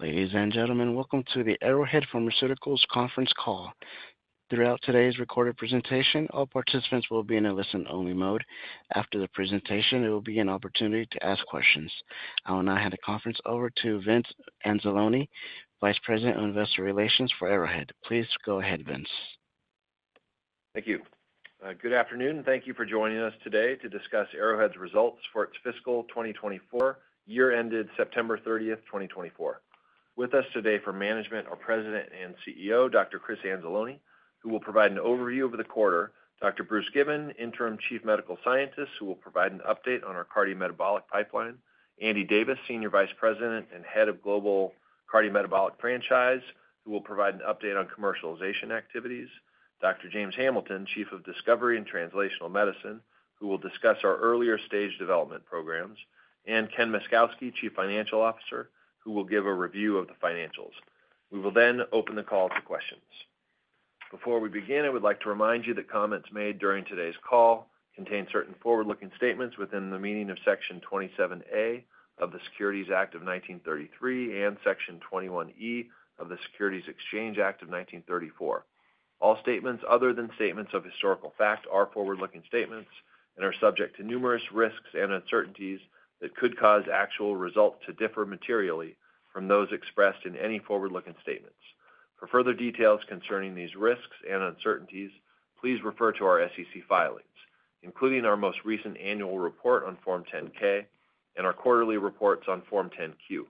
Ladies and gentlemen, welcome to the Arrowhead Pharmaceuticals conference call. Throughout today's recorded presentation, all participants will be in a listen-only mode. After the presentation, there will be an opportunity to ask questions. I will now hand the conference over to Vince Anzalone, Vice President of Investor Relations for Arrowhead. Please go ahead, Vince. Thank you. Good afternoon, and thank you for joining us today to discuss Arrowhead's results for its fiscal 2024, year-ended September 30, 2024. With us today for management are President and CEO, Dr. Chris Anzalone, who will provide an overview of the quarter, Dr. Bruce Given, Interim Chief Medical Scientist, who will provide an update on our cardiometabolic pipeline, Andy Davis, Senior Vice President and Head of Global Cardiometabolic Franchise, who will provide an update on commercialization activities, Dr. James Hamilton, Chief of Discovery and Translational Medicine, who will discuss our earlier-stage development programs, and Ken Myszkowski, Chief Financial Officer, who will give a review of the financials. We will then open the call to questions. Before we begin, I would like to remind you that comments made during today's call contain certain forward-looking statements within the meaning of Section 27A of the Securities Act of 1933 and Section 21E of the Securities Exchange Act of 1934. All statements other than statements of historical fact are forward-looking statements and are subject to numerous risks and uncertainties that could cause actual results to differ materially from those expressed in any forward-looking statements. For further details concerning these risks and uncertainties, please refer to our SEC filings, including our most recent annual report on Form 10-K and our quarterly reports on Form 10-Q.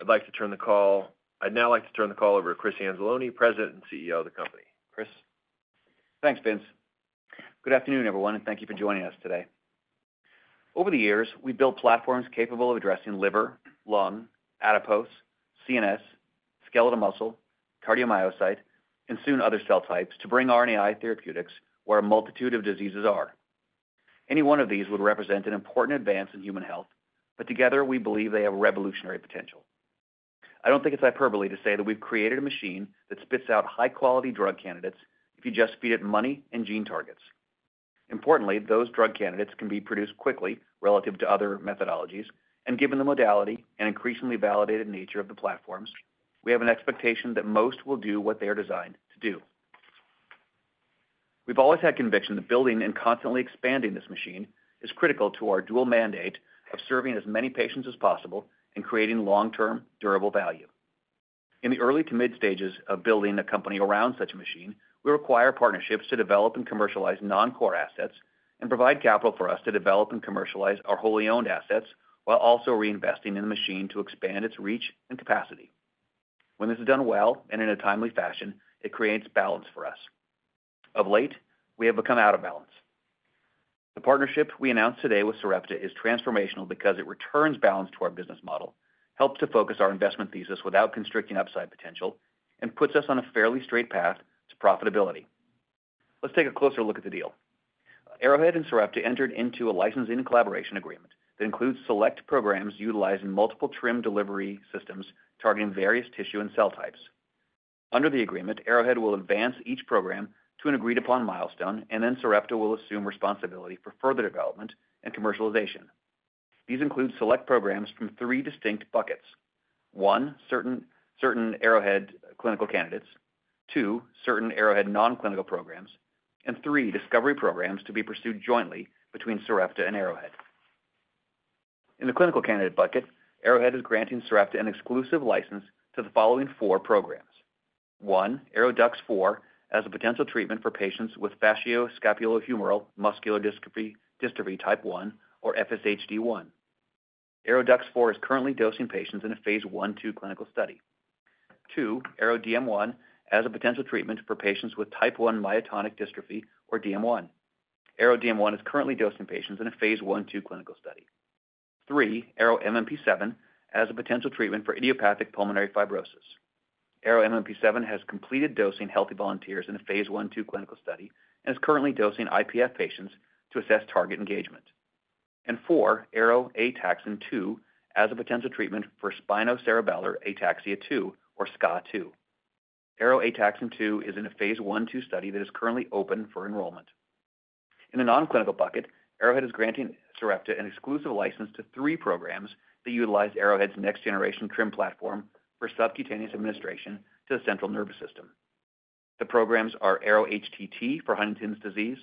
I'd now like to turn the call over to Chris Anzalone, President and CEO of the company. Chris. Thanks, Vince. Good afternoon, everyone, and thank you for joining us today. Over the years, we've built platforms capable of addressing liver, lung, adipose, CNS, skeletal muscle, cardiomyocyte, and soon other cell types to bring RNAi therapeutics where a multitude of diseases are. Any one of these would represent an important advance in human health, but together we believe they have revolutionary potential. I don't think it's hyperbole to say that we've created a machine that spits out high-quality drug candidates if you just feed it money and gene targets. Importantly, those drug candidates can be produced quickly relative to other methodologies, and given the modality and increasingly validated nature of the platforms, we have an expectation that most will do what they are designed to do. We've always had conviction that building and constantly expanding this machine is critical to our dual mandate of serving as many patients as possible and creating long-term, durable value. In the early to mid-stages of building a company around such a machine, we require partnerships to develop and commercialize non-core assets and provide capital for us to develop and commercialize our wholly owned assets while also reinvesting in the machine to expand its reach and capacity. When this is done well and in a timely fashion, it creates balance for us. Of late, we have become out of balance. The partnership we announced today with Sarepta is transformational because it returns balance to our business model, helps to focus our investment thesis without constricting upside potential, and puts us on a fairly straight path to profitability. Let's take a closer look at the deal. Arrowhead and Sarepta entered into a licensing collaboration agreement that includes select programs utilizing multiple TRiM delivery systems targeting various tissue and cell types. Under the agreement, Arrowhead will advance each program to an agreed-upon milestone, and then Sarepta will assume responsibility for further development and commercialization. These include select programs from three distinct buckets: one, certain Arrowhead clinical candidates; two, certain Arrowhead non-clinical programs; and three, discovery programs to be pursued jointly between Sarepta and Arrowhead. In the clinical candidate bucket, Arrowhead is granting Sarepta an exclusive license to the following four programs: one, ARO-DUX4, as a potential treatment for patients with facioscapulohumeral muscular dystrophy type 1 or FSHD1. ARO-DUX4 is currently dosing patients in a phase I-II clinical study. Two, ARO-DM1, as a potential treatment for patients with Type 1 myotonic dystrophy or DM1. ARO-DM1 is currently dosing patients in a phase I-II clinical study. Three, ARO-MMP7, as a potential treatment for idiopathic pulmonary fibrosis. ARO-MMP7 has completed dosing healthy volunteers in a phase I-II clinical study and is currently dosing IPF patients to assess target engagement. And four, ARO-ATXN2, as a potential treatment for spinocerebellar ataxia 2 or SCA2. ARO-ATXN2 is in a phase I-II study that is currently open for enrollment. In the non-clinical bucket, Arrowhead is granting Sarepta an exclusive license to three programs that utilize Arrowhead's next-generation TRiM platform for subcutaneous administration to the central nervous system. The programs are ARO-HTT for Huntington's disease,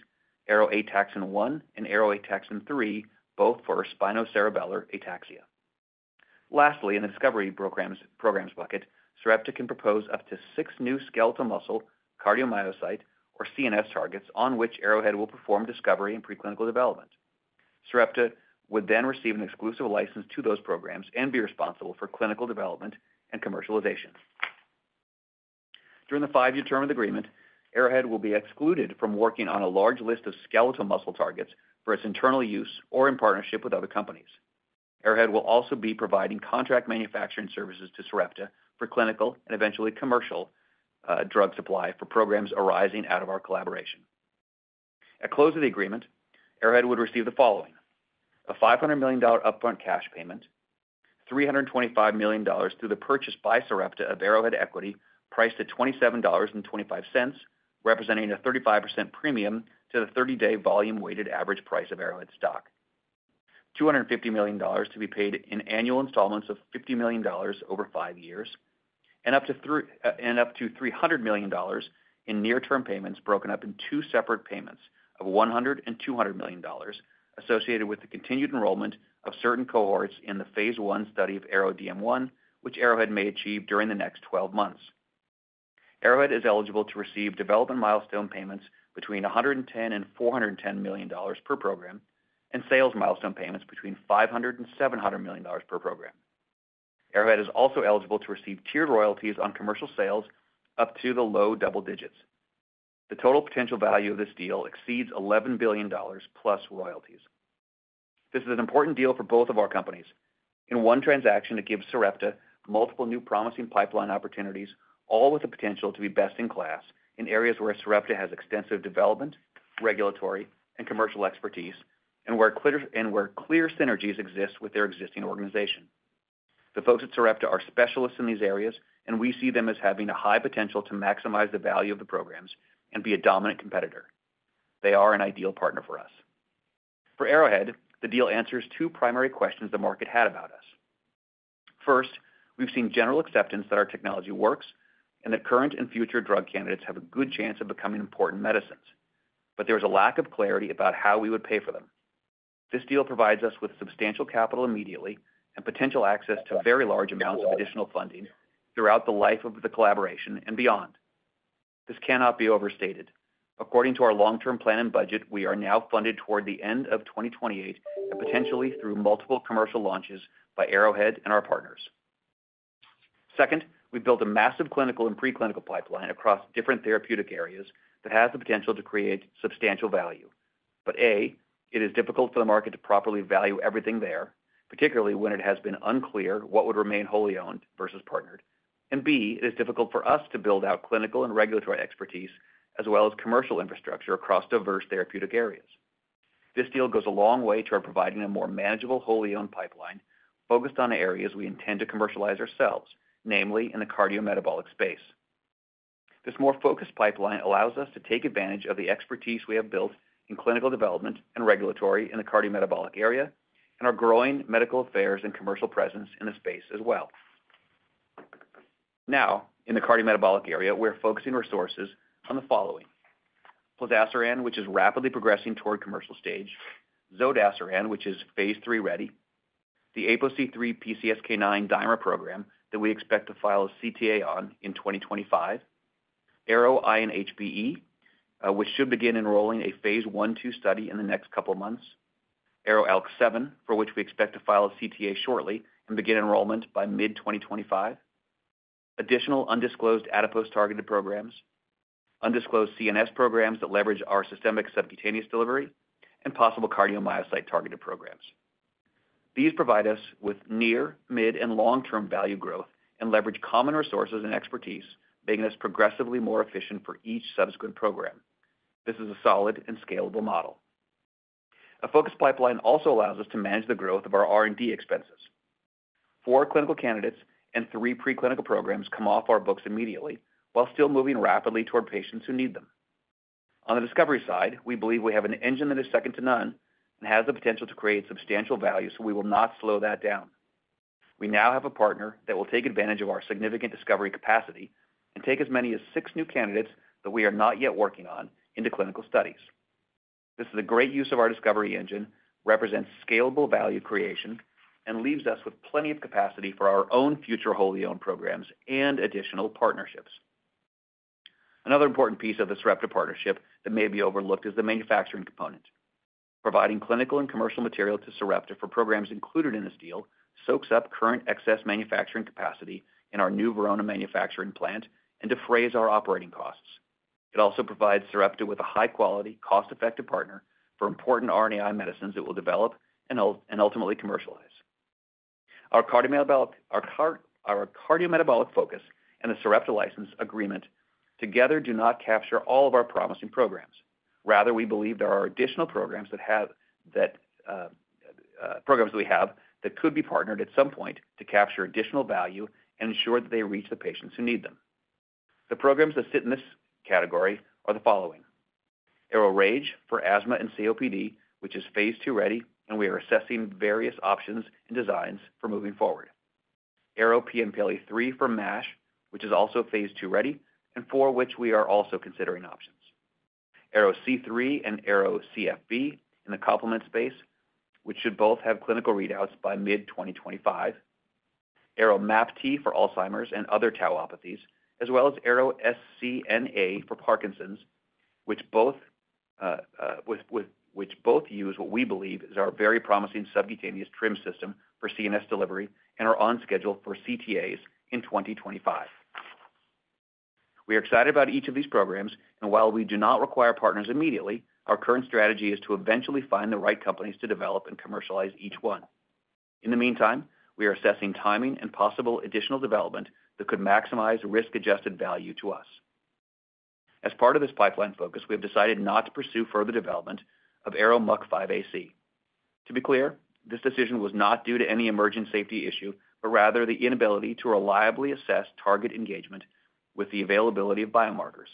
ARO-ATXN1, and ARO-ATXN3, both for spinocerebellar ataxia. Lastly, in the discovery programs bucket, Sarepta can propose up to six new skeletal muscle, cardiomyocyte, or CNS targets on which Arrowhead will perform discovery and preclinical development. Sarepta would then receive an exclusive license to those programs and be responsible for clinical development and commercialization. During the five-year term of the agreement, Arrowhead will be excluded from working on a large list of skeletal muscle targets for its internal use or in partnership with other companies. Arrowhead will also be providing contract manufacturing services to Sarepta for clinical and eventually commercial drug supply for programs arising out of our collaboration. At close of the agreement, Arrowhead would receive the following: a $500 million upfront cash payment, $325 million through the purchase by Sarepta of Arrowhead equity priced at $27.25, representing a 35% premium to the 30-day volume-weighted average price of Arrowhead stock. $250 million to be paid in annual installments of $50 million over five years, and up to $300 million in near-term payments broken up in two separate payments of $100 and $200 million associated with the continued enrollment of certain cohorts in the phase I study of ARO-DM1, which Arrowhead may achieve during the next 12 months. Arrowhead is eligible to receive development milestone payments between $110-$410 million per program and sales milestone payments between $500-$700 million per program. Arrowhead is also eligible to receive tiered royalties on commercial sales up to the low double digits. The total potential value of this deal exceeds $11 billion plus royalties. This is an important deal for both of our companies. In one transaction, it gives Sarepta multiple new promising pipeline opportunities, all with the potential to be best in class in areas where Sarepta has extensive development, regulatory, and commercial expertise, and where clear synergies exist with their existing organization. The folks at Sarepta are specialists in these areas, and we see them as having a high potential to maximize the value of the programs and be a dominant competitor. They are an ideal partner for us. For Arrowhead, the deal answers two primary questions the market had about us. First, we've seen general acceptance that our technology works and that current and future drug candidates have a good chance of becoming important medicines, but there is a lack of clarity about how we would pay for them. This deal provides us with substantial capital immediately and potential access to very large amounts of additional funding throughout the life of the collaboration and beyond. This cannot be overstated. According to our long-term plan and budget, we are now funded toward the end of 2028 and potentially through multiple commercial launches by Arrowhead and our partners. Second, we've built a massive clinical and preclinical pipeline across different therapeutic areas that has the potential to create substantial value. But A, it is difficult for the market to properly value everything there, particularly when it has been unclear what would remain wholly owned versus partnered. And B, it is difficult for us to build out clinical and regulatory expertise as well as commercial infrastructure across diverse therapeutic areas. This deal goes a long way toward providing a more manageable wholly owned pipeline focused on areas we intend to commercialize ourselves, namely in the cardiometabolic space. This more focused pipeline allows us to take advantage of the expertise we have built in clinical development and regulatory in the cardiometabolic area and our growing medical affairs and commercial presence in the space as well. Now, in the cardiometabolic area, we're focusing resources on the following: plozasiran, which is rapidly progressing toward commercial stage. Zodasiran, which is phase III ready. The PCSK9 ApoC3 dimer program that we expect to file a CTA on in 2025. ARO-INHBE, which should begin enrolling a phase I-II study in the next couple of months. ARO-ALK7, for which we expect to file a CTA shortly and begin enrollment by mid-2025. Additional undisclosed adipose-targeted programs. Undisclosed CNS programs that leverage our systemic subcutaneous delivery. And possible cardiomyocyte-targeted programs. These provide us with near, mid, and long-term value growth and leverage common resources and expertise, making us progressively more efficient for each subsequent program. This is a solid and scalable model. A focused pipeline also allows us to manage the growth of our R&D expenses. Four clinical candidates and three preclinical programs come off our books immediately while still moving rapidly toward patients who need them. On the discovery side, we believe we have an engine that is second to none and has the potential to create substantial value, so we will not slow that down. We now have a partner that will take advantage of our significant discovery capacity and take as many as six new candidates that we are not yet working on into clinical studies. This is a great use of our discovery engine, represents scalable value creation, and leaves us with plenty of capacity for our own future wholly owned programs and additional partnerships. Another important piece of the Sarepta partnership that may be overlooked is the manufacturing component. Providing clinical and commercial material to Sarepta for programs included in this deal soaks up current excess manufacturing capacity in our new Verona manufacturing plant and defray our operating costs. It also provides Sarepta with a high-quality, cost-effective partner for important RNAi medicines that we'll develop and ultimately commercialize. Our cardiometabolic focus and the Sarepta license agreement together do not capture all of our promising programs. Rather, we believe there are additional programs that we have that could be partnered at some point to capture additional value and ensure that they reach the patients who need them. The programs that sit in this category are the following: ARO-RAGE for asthma and COPD, which is phase II ready, and we are assessing various options and designs for moving forward. ARO-PNPLA3 for MASH, which is also phase II ready, and for which we are also considering options. ARO-C3 and ARO-CFB in the complement space, which should both have clinical readouts by mid-2025. ARO-MAPT for Alzheimer's and other tauopathies, as well as ARO-SNCA for Parkinson's, which both use what we believe is our very promising subcutaneous TRiM system for CNS delivery and are on schedule for CTAs in 2025. We are excited about each of these programs, and while we do not require partners immediately, our current strategy is to eventually find the right companies to develop and commercialize each one. In the meantime, we are assessing timing and possible additional development that could maximize risk-adjusted value to us. As part of this pipeline focus, we have decided not to pursue further development of ARO-MUC5AC. To be clear, this decision was not due to any emergent safety issue, but rather the inability to reliably assess target engagement with the availability of biomarkers.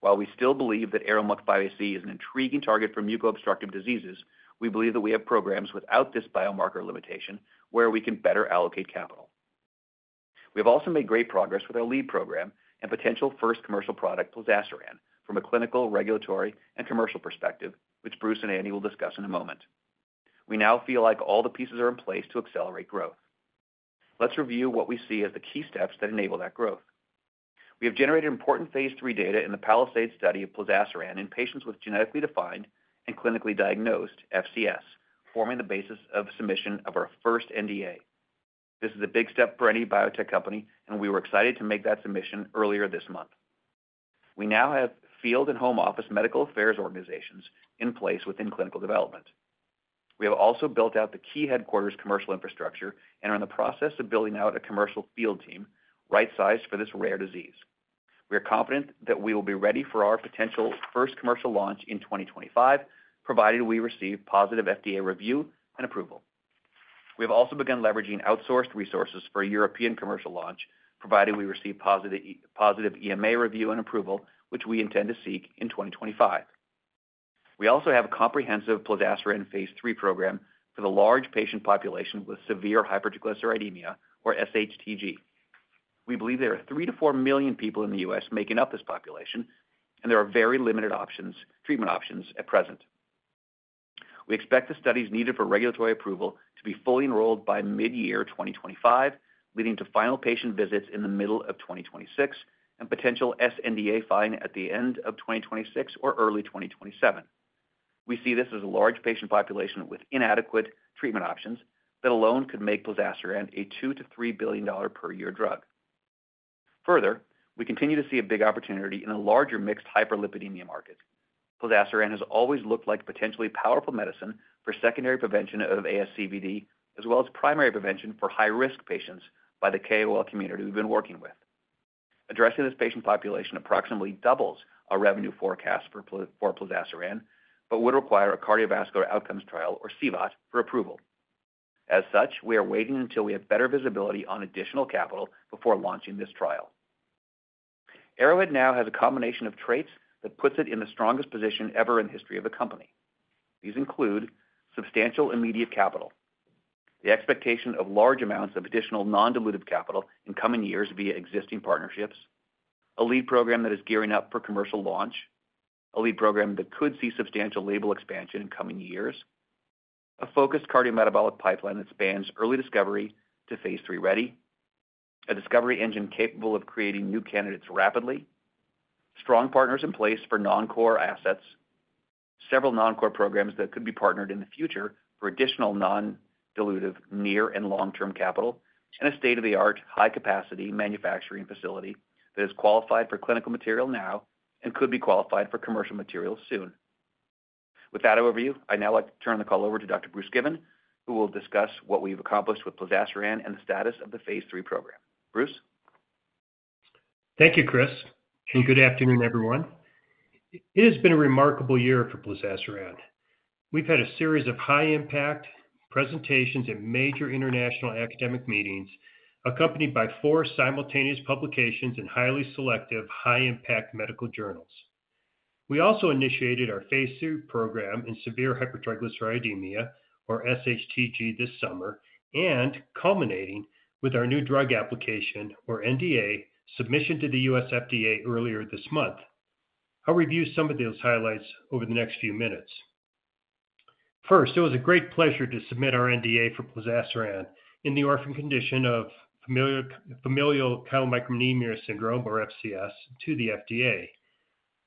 While we still believe that ARO-MUC5AC is an intriguing target for muco-obstructive diseases, we believe that we have programs without this biomarker limitation where we can better allocate capital. We have also made great progress with our lead program and potential first commercial product, plozasiran, from a clinical, regulatory, and commercial perspective, which Bruce and Andy will discuss in a moment. We now feel like all the pieces are in place to accelerate growth. Let's review what we see as the key steps that enable that growth. We have generated important phase III data in the Palisade study of plozasiran in patients with genetically defined and clinically diagnosed FCS, forming the basis of submission of our first NDA. This is a big step for any biotech company, and we were excited to make that submission earlier this month. We now have field and home office medical affairs organizations in place within clinical development. We have also built out the key headquarters commercial infrastructure and are in the process of building out a commercial field team right-sized for this rare disease. We are confident that we will be ready for our potential first commercial launch in 2025, provided we receive positive FDA review and approval. We have also begun leveraging outsourced resources for a European commercial launch, provided we receive positive EMA review and approval, which we intend to seek in 2025. We also have a comprehensive plozasiran phase III program for the large patient population with severe hypertriglyceridemia, or SHTG. We believe there are 3 to 4 million people in the U.S. making up this population, and there are very limited treatment options at present. We expect the studies needed for regulatory approval to be fully enrolled by mid-year 2025, leading to final patient visits in the middle of 2026 and potential sNDA filing at the end of 2026 or early 2027. We see this as a large patient population with inadequate treatment options that alone could make plozasiran a $2 billion-$3 billion per year drug. Further, we continue to see a big opportunity in a larger mixed hyperlipidemia market. Plozasiran has always looked like a potentially powerful medicine for secondary prevention of ASCVD, as well as primary prevention for high-risk patients by the KOL community we've been working with. Addressing this patient population approximately doubles our revenue forecast for plozasiran, but would require a cardiovascular outcomes trial, or CVOT, for approval. As such, we are waiting until we have better visibility on additional capital before launching this trial. Arrowhead now has a combination of traits that puts it in the strongest position ever in the history of the company. These include substantial immediate capital, the expectation of large amounts of additional non-dilutive capital in coming years via existing partnerships, a lead program that is gearing up for commercial launch, a lead program that could see substantial label expansion in coming years, a focused cardiometabolic pipeline that spans early discovery to phase III ready, a discovery engine capable of creating new candidates rapidly, strong partners in place for non-core assets. Several non-core programs that could be partnered in the future for additional non-dilutive near and long-term capital, and a state-of-the-art high-capacity manufacturing facility that is qualified for clinical material now and could be qualified for commercial material soon. With that, I now like to turn the call over to Dr. Bruce Given, who will discuss what we've accomplished with plozasiran and the status of the phase III program. Bruce? Thank you, Chris, and good afternoon, everyone. It has been a remarkable year for plozasiran. We've had a series of high-impact presentations at major international academic meetings, accompanied by four simultaneous publications in highly selective, high-impact medical journals. We also initiated our phase III program in severe hypertriglyceridemia, or SHTG, this summer and culminating with our new drug application, or NDA, submission to the U.S. FDA earlier this month. I'll review some of those highlights over the next few minutes. First, it was a great pleasure to submit our NDA for plozasiran in the orphan condition of familial chylomicronemia syndrome, or FCS, to the FDA.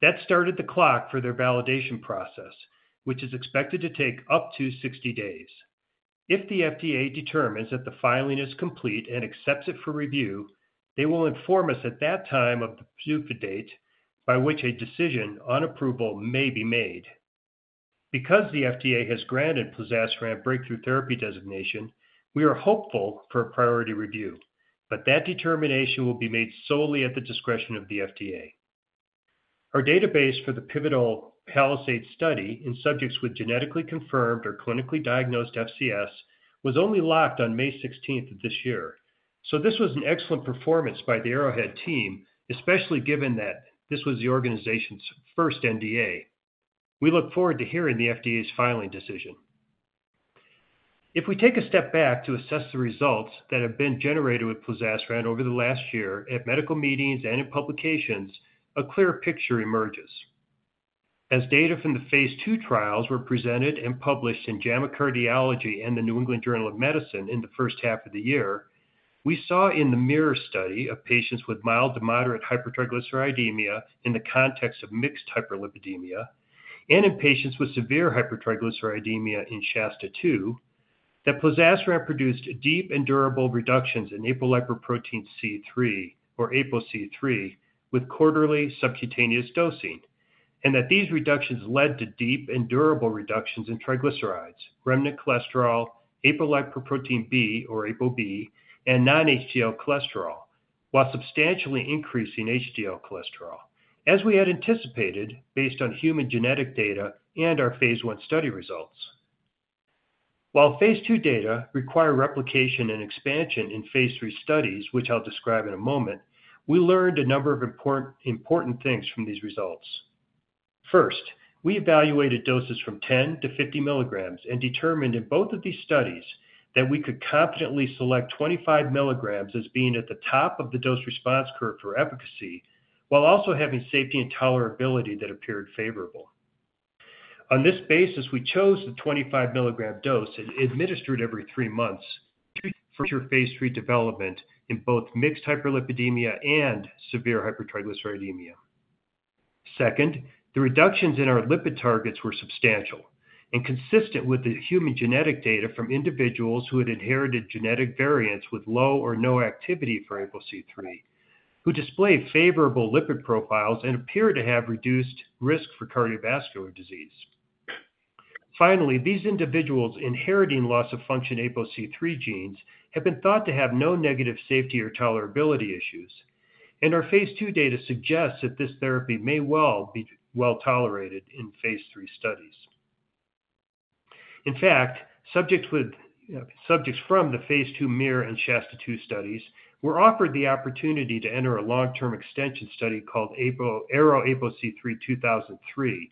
That started the clock for their validation process, which is expected to take up to 60 days. If the FDA determines that the filing is complete and accepts it for review, they will inform us at that time of the PDUFA date by which a decision on approval may be made. Because the FDA has granted plozasiran breakthrough therapy designation, we are hopeful for a priority review, but that determination will be made solely at the discretion of the FDA. Our database for the Pivotal Palisade study in subjects with genetically confirmed or clinically diagnosed FCS was only locked on May 16th of this year. So this was an excellent performance by the Arrowhead team, especially given that this was the organization's first NDA. We look forward to hearing the FDA's filing decision. If we take a step back to assess the results that have been generated with plozasiran over the last year at medical meetings and in publications, a clear picture emerges. As data from the phase II trials were presented and published in JAMA Cardiology and the New England Journal of Medicine in the first half of the year, we saw in the MUIR study of patients with mild to moderate hypertriglyceridemia in the context of mixed hyperlipidemia and in patients with severe hypertriglyceridemia in SHASTA-2 that plozasiran produced deep and durable reductions in apolipoprotein C3, or ApoC3, with quarterly subcutaneous dosing. And that these reductions led to deep and durable reductions in triglycerides, remnant cholesterol, apolipoprotein B, or ApoB, and non-HDL cholesterol, while substantially increasing HDL cholesterol, as we had anticipated based on human genetic data and our phase I study results. While phase II data require replication and expansion in phase III studies, which I'll describe in a moment, we learned a number of important things from these results. First, we evaluated doses from 10 mg-50 mg and determined in both of these studies that we could confidently select 25 mg as being at the top of the dose-response curve for efficacy, while also having safety and tolerability that appeared favorable. On this basis, we chose the 25-mg dose administered every three months for phase III development in both mixed hyperlipidemia and severe hypertriglyceridemia. Second, the reductions in our lipid targets were substantial and consistent with the human genetic data from individuals who had inherited genetic variants with low or no activity for ApoC3, who displayed favorable lipid profiles and appeared to have reduced risk for cardiovascular disease. Finally, these individuals inheriting loss-of-function ApoC3 genes have been thought to have no negative safety or tolerability issues, and our phase II data suggests that this therapy may well be well tolerated in phase III studies. In fact, subjects from the phase II MUIR and SHASTA-2 studies were offered the opportunity to enter a long-term extension study called ARO-ApoC3-2003,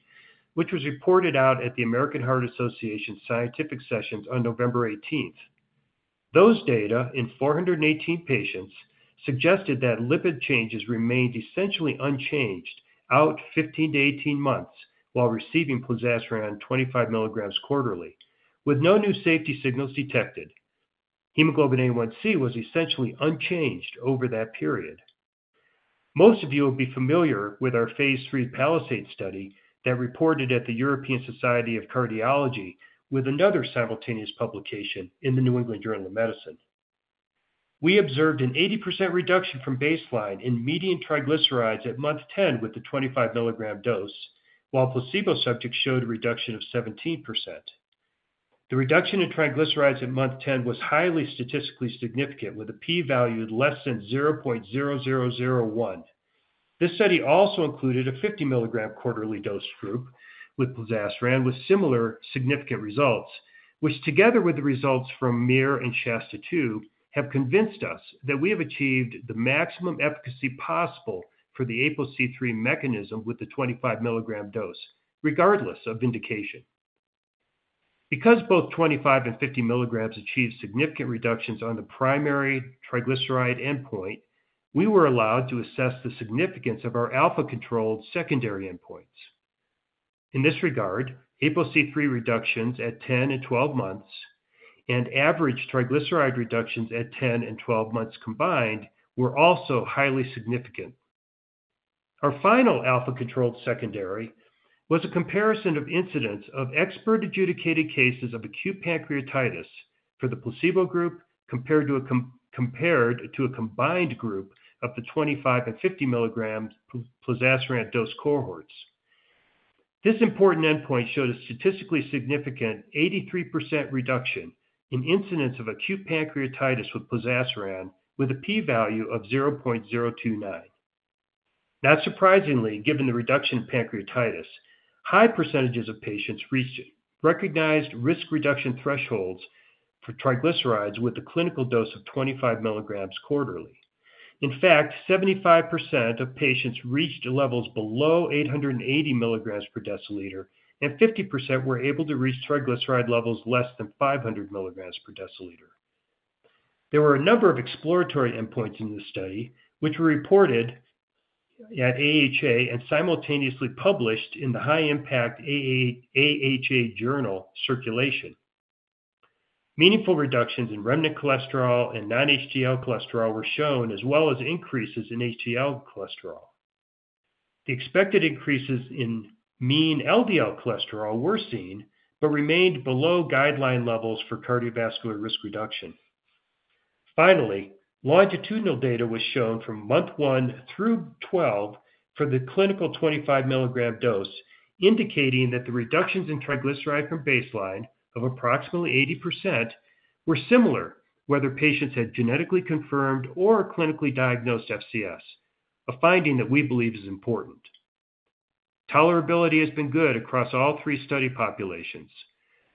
which was reported out at the American Heart Association's scientific sessions on November 18th. Those data in 418 patients suggested that lipid changes remained essentially unchanged out 15-18 months while receiving plozasiran 25 mg quarterly, with no new safety signals detected. Hemoglobin A1c was essentially unchanged over that period. Most of you will be familiar with our phase III Palisade study that reported at the European Society of Cardiology with another simultaneous publication in the New England Journal of Medicine. We observed an 80% reduction from baseline in median triglycerides at month 10 with the 25-mg dose, while placebo subjects showed a reduction of 17%. The reduction in triglycerides at month 10 was highly statistically significant, with a p-value less than 0.0001. This study also included a 50-mg quarterly dose group with plozasiran with similar significant results, which together with the results from MUIR and SHASTA-2 have convinced us that we have achieved the maximum efficacy possible for the ApoC3 mechanism with the 25-mg dose, regardless of indication. Because both 25 mg and 50 mg achieved significant reductions on the primary triglyceride endpoint, we were allowed to assess the significance of our alpha-controlled secondary endpoints. In this regard, ApoC3 reductions at 10 and 12 months and average triglyceride reductions at 10 and 12 months combined were also highly significant. Our final alpha-controlled secondary was a comparison of incidence of expert-adjudicated cases of acute pancreatitis for the placebo group compared to a combined group of the 25 mg and 50-mg plozasiran dose cohorts. This important endpoint showed a statistically significant 83% reduction in incidence of acute pancreatitis with plozasiran, with a p-value of 0.029. Not surprisingly, given the reduction in pancreatitis, high percentages of patients reached recognized risk reduction thresholds for triglycerides with a clinical dose of 25 mg quarterly. In fact, 75% of patients reached levels below 880 mg/dL, and 50% were able to reach triglyceride levels less than 500 mg/dL. There were a number of exploratory endpoints in this study, which were reported at AHA and simultaneously published in the high-impact AHA journal Circulation. Meaningful reductions in remnant cholesterol and non-HDL cholesterol were shown, as well as increases in HDL cholesterol. The expected increases in mean LDL cholesterol were seen, but remained below guideline levels for cardiovascular risk reduction. Finally, longitudinal data was shown from month 1 through 12 for the clinical 25-mg dose, indicating that the reductions in triglyceride from baseline of approximately 80% were similar, whether patients had genetically confirmed or clinically diagnosed FCS, a finding that we believe is important. Tolerability has been good across all three study populations.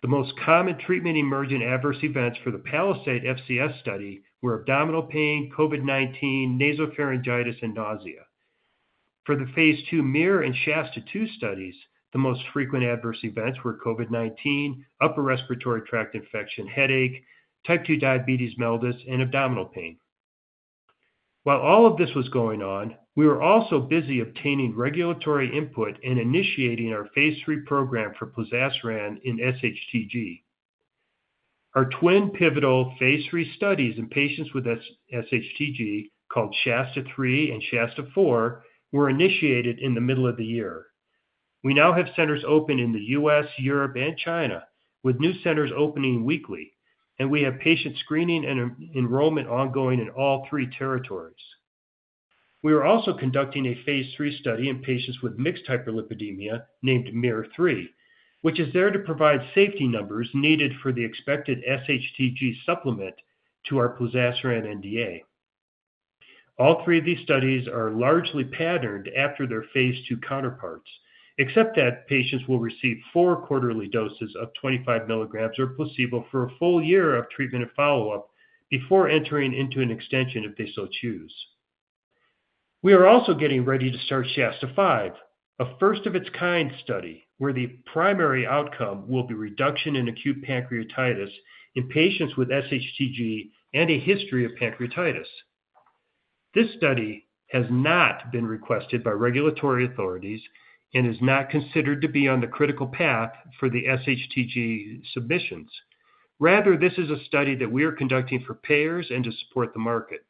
The most common treatment-emergent adverse events for the Palisade FCS study were abdominal pain, COVID-19, nasopharyngitis, and nausea. For the phase II MUIR and SHASTA-2 studies, the most frequent adverse events were COVID-19, upper respiratory tract infection, headache, type 2 diabetes mellitus, and abdominal pain. While all of this was going on, we were also busy obtaining regulatory input and initiating our phase III program for plozasiran in SHTG. Our twin pivotal phase III studies in patients with SHTG, called SHASTA-3 and SHASTA-4, were initiated in the middle of the year. We now have centers open in the U.S., Europe, and China, with new centers opening weekly, and we have patient screening and enrollment ongoing in all three territories. We are also conducting a phase III study in patients with mixed hyperlipidemia named MUIR III, which is there to provide safety numbers needed for the expected SHTG supplement to our plozasiran NDA. All three of these studies are largely patterned after their phase II counterparts, except that patients will receive four quarterly doses of 25 mg or placebo for a full year of treatment and follow-up before entering into an extension if they so choose. We are also getting ready to start SHASTA-4, a first-of-its-kind study where the primary outcome will be reduction in acute pancreatitis in patients with SHTG and a history of pancreatitis. This study has not been requested by regulatory authorities and is not considered to be on the critical path for the SHTG submissions. Rather, this is a study that we are conducting for payers and to support the market.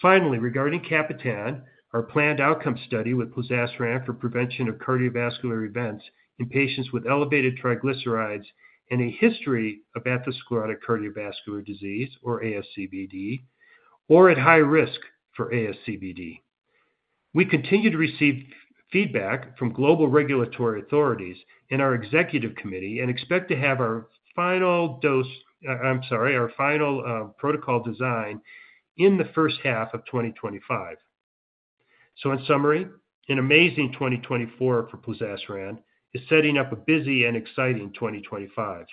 Finally, regarding CAPITAN, our planned outcome study with plozasiran for prevention of cardiovascular events in patients with elevated triglycerides and a history of atherosclerotic cardiovascular disease, or ASCVD, or at high risk for ASCVD. We continue to receive feedback from global regulatory authorities and our executive committee and expect to have our final dose, I'm sorry, our final protocol design, in the first half of 2025. So, in summary, an amazing 2024 for plozasiran is setting up a busy and exciting 2025.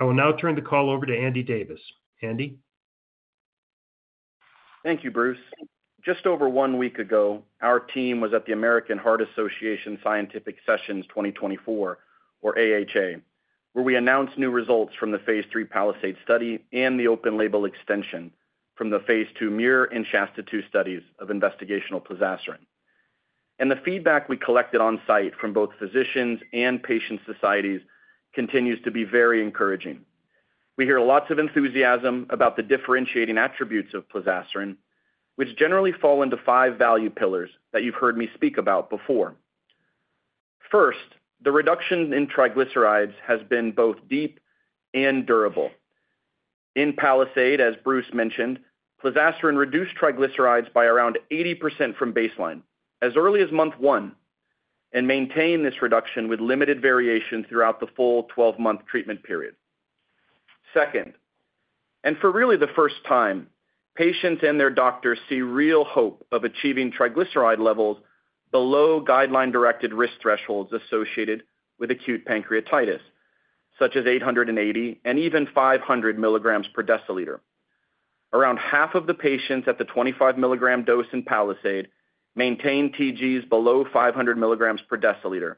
I will now turn the call over to Andy Davis. Andy? Thank you, Bruce. Just over one week ago, our team was at the American Heart Association Scientific Sessions 2024, or AHA, where we announced new results from the phase III Palisade study and the open-label extension from the phase II MUIR and SHASTA-2 studies of investigational plozasiran. The feedback we collected on site from both physicians and patient societies continues to be very encouraging. We hear lots of enthusiasm about the differentiating attributes of plozasiran, which generally fall into five value pillars that you've heard me speak about before. First, the reduction in triglycerides has been both deep and durable. In Palisade, as Bruce mentioned, plozasiran reduced triglycerides by around 80% from baseline as early as month one and maintained this reduction with limited variation throughout the full 12-month treatment period. Second, and for really the first time, patients and their doctors see real hope of achieving triglyceride levels below guideline-directed risk thresholds associated with acute pancreatitis, such as 880 mg/dL and even 500 mg/dL. Around half of the patients at the 25-mg dose in Palisade maintained TGs below 500 mg/dL,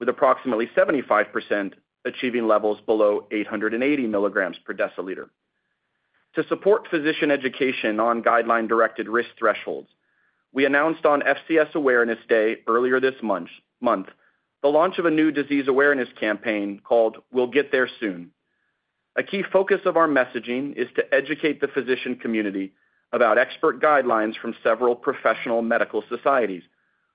with approximately 75% achieving levels below 880 mg/dL. To support physician education on guideline-directed risk thresholds, we announced on FCS Awareness Day earlier this month the launch of a new disease awareness campaign called We'll Get There Soon. A key focus of our messaging is to educate the physician community about expert guidelines from several professional medical societies,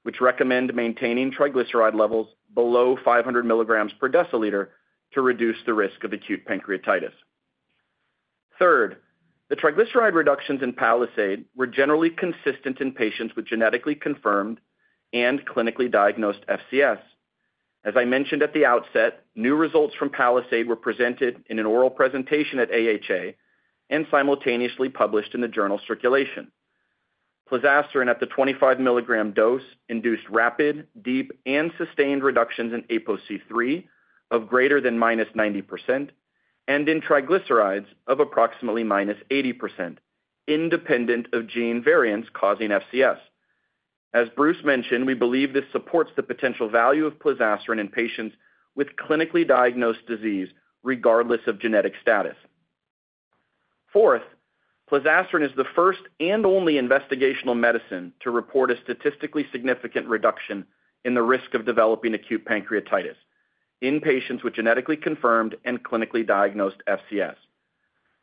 which recommend maintaining triglyceride levels below 500 mg/dL to reduce the risk of acute pancreatitis. Third, the triglyceride reductions in Palisade were generally consistent in patients with genetically confirmed and clinically diagnosed FCS. As I mentioned at the outset, new results from Palisade were presented in an oral presentation at AHA and simultaneously published in the journal Circulation. Plozasiran at the 25-mg dose induced rapid, deep, and sustained reductions in ApoC3 of greater than -90% and in triglycerides of approximately -80%, independent of gene variants causing FCS. As Bruce mentioned, we believe this supports the potential value of plozasiran in patients with clinically diagnosed disease, regardless of genetic status. Fourth, plozasiran is the first and only investigational medicine to report a statistically significant reduction in the risk of developing acute pancreatitis in patients with genetically confirmed and clinically diagnosed FCS.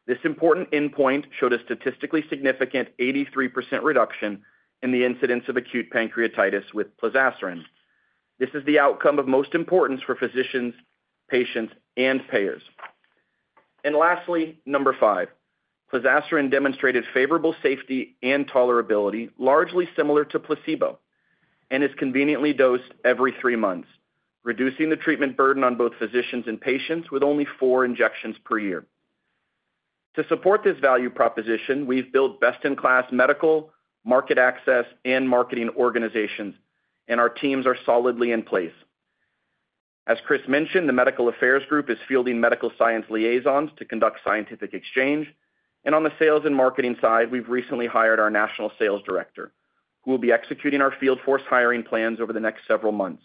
This important endpoint showed a statistically significant 83% reduction in the incidence of acute pancreatitis with plozasiran. This is the outcome of most importance for physicians, patients, and payers. And lastly, number five, plozasiran demonstrated favorable safety and tolerability, largely similar to placebo, and is conveniently dosed every three months, reducing the treatment burden on both physicians and patients with only four injections per year. To support this value proposition, we've built best-in-class medical, market access, and marketing organizations, and our teams are solidly in place. As Chris mentioned, the medical affairs group is fielding medical science liaisons to conduct scientific exchange. And on the sales and marketing side, we've recently hired our national sales director, who will be executing our field force hiring plans over the next several months.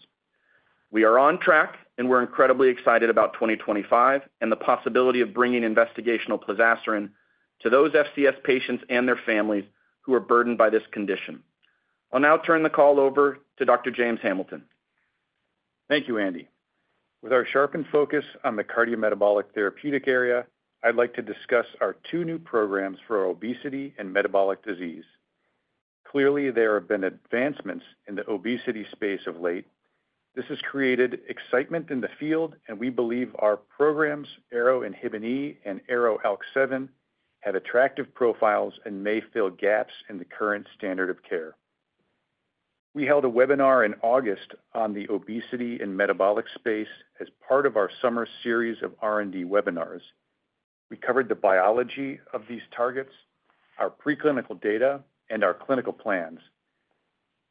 We are on track, and we're incredibly excited about 2025 and the possibility of bringing investigational plozasiran to those FCS patients and their families who are burdened by this condition. I'll now turn the call over to Dr. James Hamilton. Thank you, Andy. With our sharpened focus on the cardiometabolic therapeutic area, I'd like to discuss our two new programs for obesity and metabolic disease. Clearly, there have been advancements in the obesity space of late. This has created excitement in the field, and we believe our programs, ARO-INHBE and ARO-ALK7, have attractive profiles and may fill gaps in the current standard of care. We held a webinar in August on the obesity and metabolic space as part of our summer series of R&D webinars. We covered the biology of these targets, our preclinical data, and our clinical plans.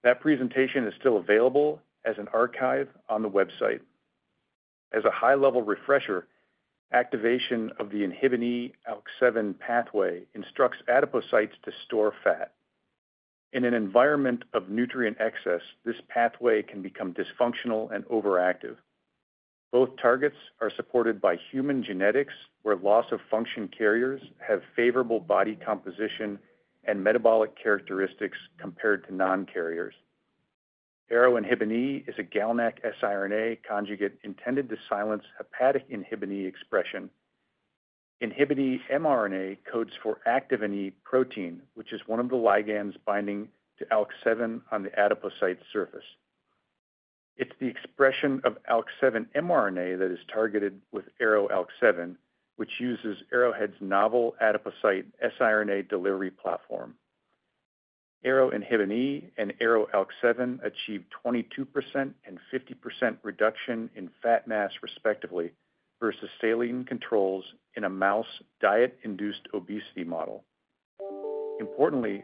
That presentation is still available as an archive on the website. As a high-level refresher, activation of the Inhibin E ALK7 pathway instructs adipocytes to store fat. In an environment of nutrient excess, this pathway can become dysfunctional and overactive. Both targets are supported by human genetics, where loss of function carriers have favorable body composition and metabolic characteristics compared to non-carriers. ARO-INHBE is a GalNAc siRNA conjugate intended to silence hepatic Inhibin E expression. Inhibin E mRNA codes for activin E protein, which is one of the ligands binding to ALK7 on the adipocyte surface. It's the expression of ALK7 mRNA that is targeted with ARO-ALK7, which uses Arrowhead's novel adipocyte siRNA delivery platform. ARO-INHBE and ARO-ALK7 achieve 22% and 50% reduction in fat mass, respectively, versus saline controls in a mouse diet-induced obesity model. Importantly,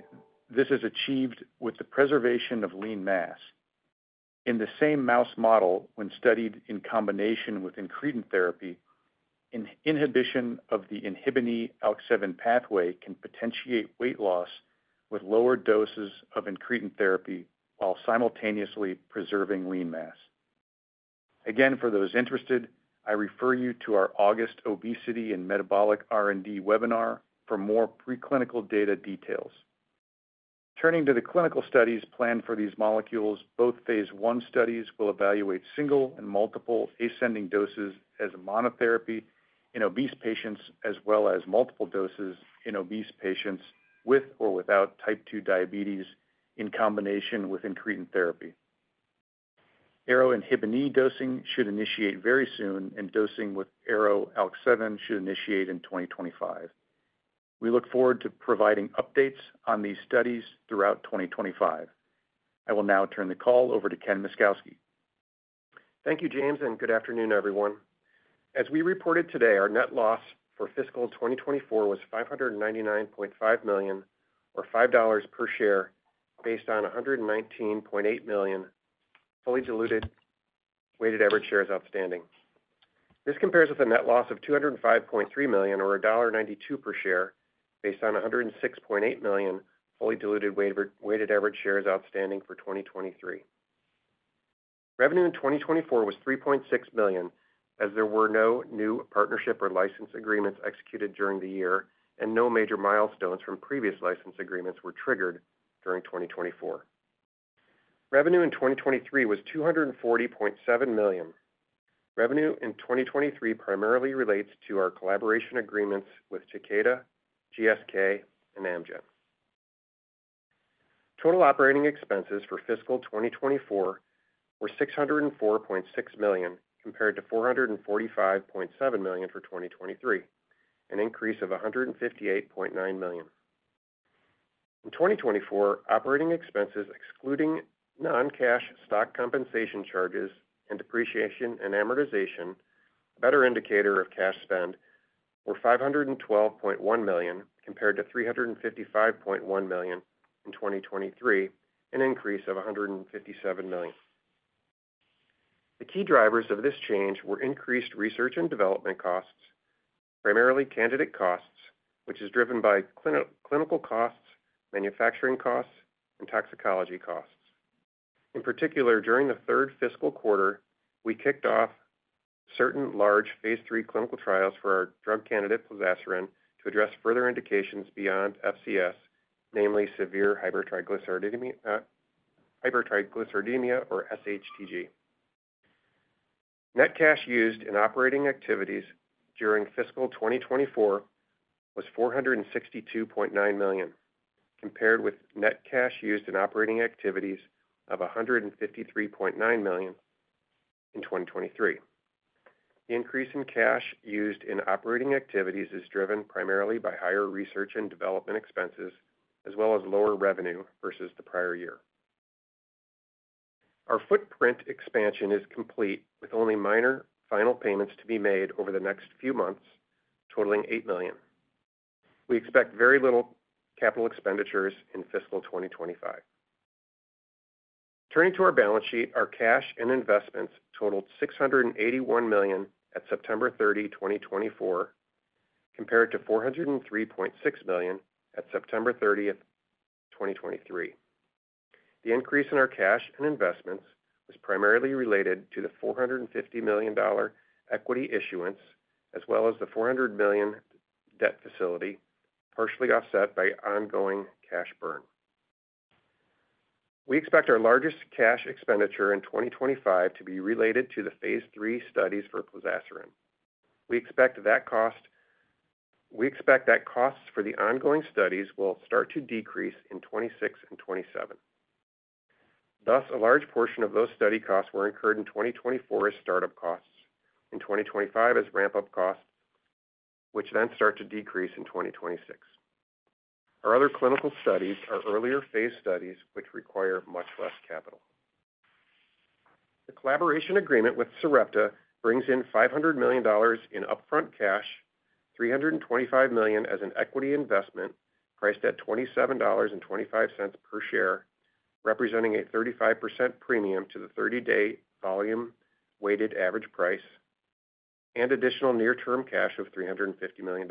this is achieved with the preservation of lean mass. In the same mouse model, when studied in combination with incretin therapy, inhibition of the Inhibin E ALK7 pathway can potentiate weight loss with lower doses of incretin therapy while simultaneously preserving lean mass. Again, for those interested, I refer you to our August obesity and metabolic R&D webinar for more preclinical data details. Turning to the clinical studies planned for these molecules, both phase I studies will evaluate single and multiple ascending doses as a monotherapy in obese patients, as well as multiple doses in obese patients with or without type 2 diabetes in combination with incretin therapy. ARO-INHBE dosing should initiate very soon, and dosing with ARO-ALK7 should initiate in 2025. We look forward to providing updates on these studies throughout 2025. I will now turn the call over to Ken Myszkowski. Thank you, James, and good afternoon, everyone. As we reported today, our net loss for fiscal 2024 was $599.5 million, or $5 per share, based on 119.8 million fully diluted weighted average shares outstanding. This compares with a net loss of $205.3 million, or $1.92 per share, based on 106.8 million fully diluted weighted average shares outstanding for 2023. Revenue in 2024 was $3.6 million, as there were no new partnership or license agreements executed during the year, and no major milestones from previous license agreements were triggered during 2024. Revenue in 2023 was $240.7 million. Revenue in 2023 primarily relates to our collaboration agreements with Takeda, GSK, and Amgen. Total operating expenses for fiscal 2024 were $604.6 million compared to $445.7 million for 2023, an increase of $158.9 million. In 2024, operating expenses, excluding non-cash stock compensation charges and depreciation and amortization, a better indicator of cash spend, were $512.1 million compared to $355.1 million in 2023, an increase of $157 million. The key drivers of this change were increased research and development costs, primarily candidate costs, which is driven by clinical costs, manufacturing costs, and toxicology costs. In particular, during the third fiscal quarter, we kicked off certain large phase III clinical trials for our drug candidate plozasiran to address further indications beyond FCS, namely severe hypertriglyceridemia, or SHTG. Net cash used in operating activities during fiscal 2024 was $462.9 million, compared with net cash used in operating activities of $153.9 million in 2023. The increase in cash used in operating activities is driven primarily by higher research and development expenses, as well as lower revenue versus the prior year. Our footprint expansion is complete, with only minor final payments to be made over the next few months, totaling $8 million. We expect very little capital expenditures in fiscal 2025. Turning to our balance sheet, our cash and investments totaled $681 million at September 30, 2024, compared to $403.6 million at September 30, 2023. The increase in our cash and investments was primarily related to the $450 million equity issuance, as well as the $400 million debt facility, partially offset by ongoing cash burn. We expect our largest cash expenditure in 2025 to be related to the phase III studies for plozasiran. We expect that costs for the ongoing studies will start to decrease in 2026 and 2027. Thus, a large portion of those study costs were incurred in 2024 as startup costs, and 2025 as ramp-up costs, which then start to decrease in 2026. Our other clinical studies are earlier phase studies, which require much less capital. The collaboration agreement with Sarepta brings in $500 million in upfront cash, $325 million as an equity investment priced at $27.25 per share, representing a 35% premium to the 30-day volume weighted average price, and additional near-term cash of $350 million.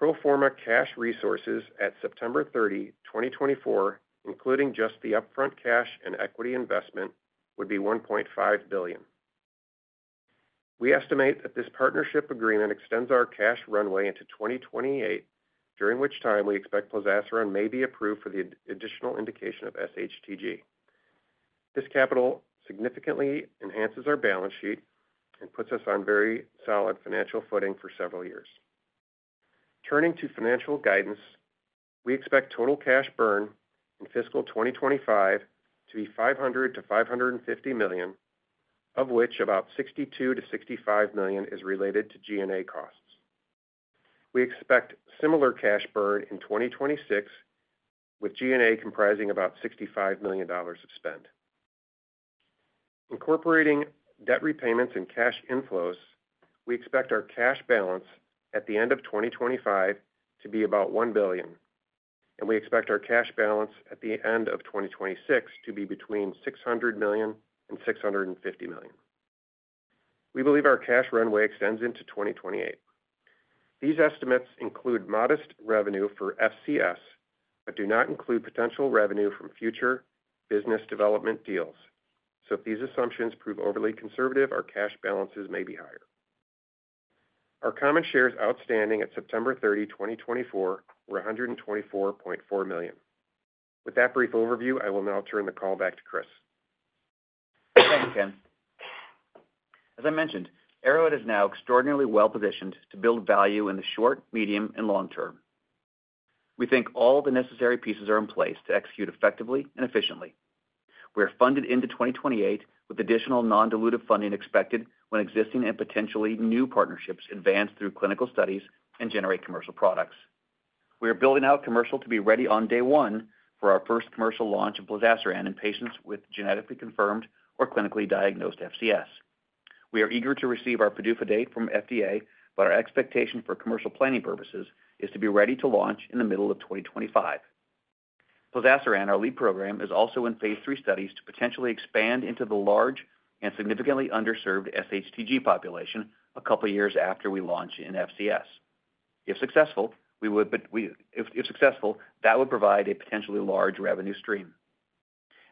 Proforma cash resources at September 30, 2024, including just the upfront cash and equity investment, would be $1.5 billion. We estimate that this partnership agreement extends our cash runway into 2028, during which time we expect plozasiran may be approved for the additional indication of SHTG. This capital significantly enhances our balance sheet and puts us on very solid financial footing for several years. Turning to financial guidance, we expect total cash burn in fiscal 2025 to be $500 million-$550 million, of which about $62 million-$65 million is related to G&A costs. We expect similar cash burn in 2026, with G&A comprising about $65 million of spend. Incorporating debt repayments and cash inflows, we expect our cash balance at the end of 2025 to be about $1 billion, and we expect our cash balance at the end of 2026 to be between $600 million and $650 million. We believe our cash runway extends into 2028. These estimates include modest revenue for FCS but do not include potential revenue from future business development deals. So if these assumptions prove overly conservative, our cash balances may be higher. Our common shares outstanding at September 30, 2024, were 124.4 million. With that brief overview, I will now turn the call back to Chris. Thank you, Ken. As I mentioned, Arrowhead is now extraordinarily well-positioned to build value in the short, medium, and long term. We think all the necessary pieces are in place to execute effectively and efficiently. We are funded into 2028 with additional non-dilutive funding expected when existing and potentially new partnerships advance through clinical studies and generate commercial products. We are building out commercial to be ready on day one for our first commercial launch of plozasiran in patients with genetically confirmed or clinically diagnosed FCS. We are eager to receive our PDUFA date from FDA, but our expectation for commercial planning purposes is to be ready to launch in the middle of 2025. Plozasiran, our lead program, is also in phase III studies to potentially expand into the large and significantly underserved SHTG population a couple of years after we launch in FCS. If successful, that would provide a potentially large revenue stream.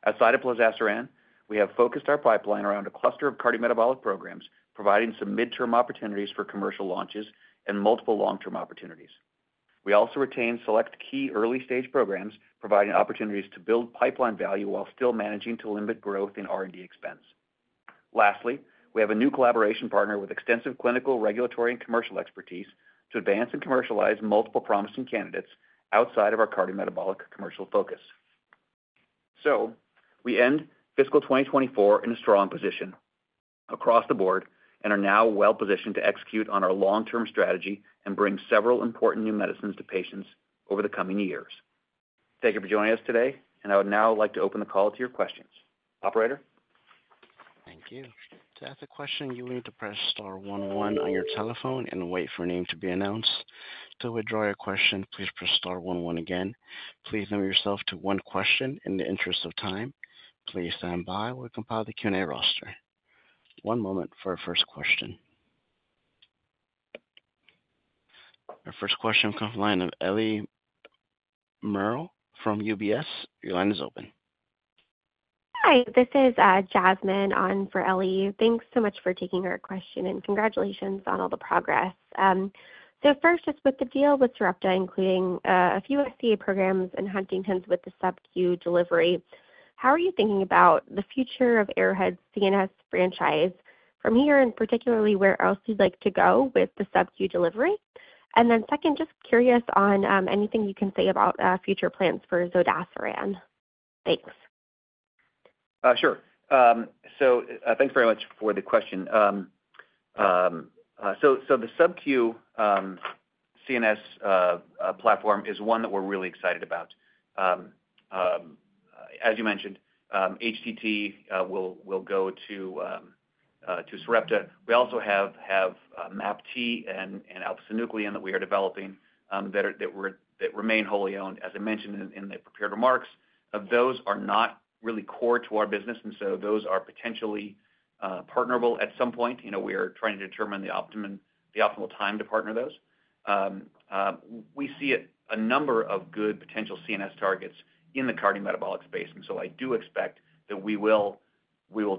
Outside of plozasiran, we have focused our pipeline around a cluster of cardiometabolic programs, providing some midterm opportunities for commercial launches and multiple long-term opportunities. We also retain select key early-stage programs, providing opportunities to build pipeline value while still managing to limit growth in R&D expense. Lastly, we have a new collaboration partner with extensive clinical, regulatory, and commercial expertise to advance and commercialize multiple promising candidates outside of our cardiometabolic commercial focus. So we end fiscal 2024 in a strong position across the board and are now well-positioned to execute on our long-term strategy and bring several important new medicines to patients over the coming years. Thank you for joining us today, and I would now like to open the call to your questions. Operator? Thank you. To ask a question, you will need to press star one one on your telephone and wait for a name to be announced. To withdraw your question, please press star one one again. Please limit yourself to one question in the interest of time. Please stand by while we compile the Q&A roster. One moment for our first question. Our first question will come from the line of Ellie Merle from UBS. Your line is open. Hi, this is Jasmine on for Ellie. Thanks so much for taking our question, and congratulations on all the progress. So first, just with the deal with Sarepta, including a few SCA programs and Huntington's with the subQ delivery, how are you thinking about the future of Arrowhead's CNS franchise from here and particularly where else you'd like to go with the subQ delivery? And then second, just curious on anything you can say about future plans for zodasiran? Thanks. Sure. So thanks very much for the question. So the subQ CNS platform is one that we're really excited about. As you mentioned, HTT will go to Sarepta. We also have MAPT and Alpha-synuclein that we are developing that remain wholly owned. As I mentioned in the prepared remarks, those are not really core to our business, and so those are potentially partnerable at some point. We are trying to determine the optimal time to partner those. We see a number of good potential CNS targets in the cardiometabolic space, and so I do expect that we will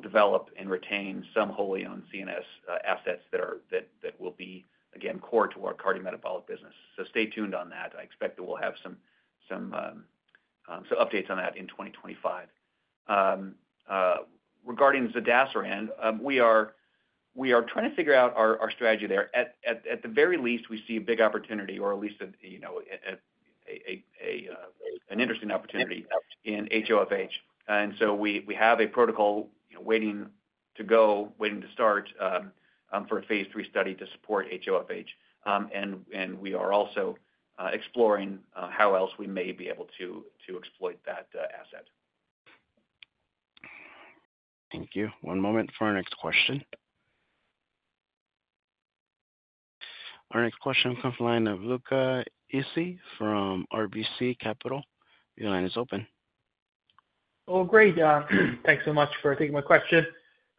develop and retain some wholly owned CNS assets that will be, again, core to our cardiometabolic business. So stay tuned on that. I expect that we'll have some updates on that in 2025. Regarding zodasiran, we are trying to figure out our strategy there. At the very least, we see a big opportunity, or at least an interesting opportunity in HOFH. And so we have a protocol waiting to go, waiting to start for a phase III study to support HOFH, and we are also exploring how else we may be able to exploit that asset. Thank you. One moment for our next question. Our next question will come from the line of Luca Issi from RBC Capital. Your line is open. Oh, great. Thanks so much for taking my question.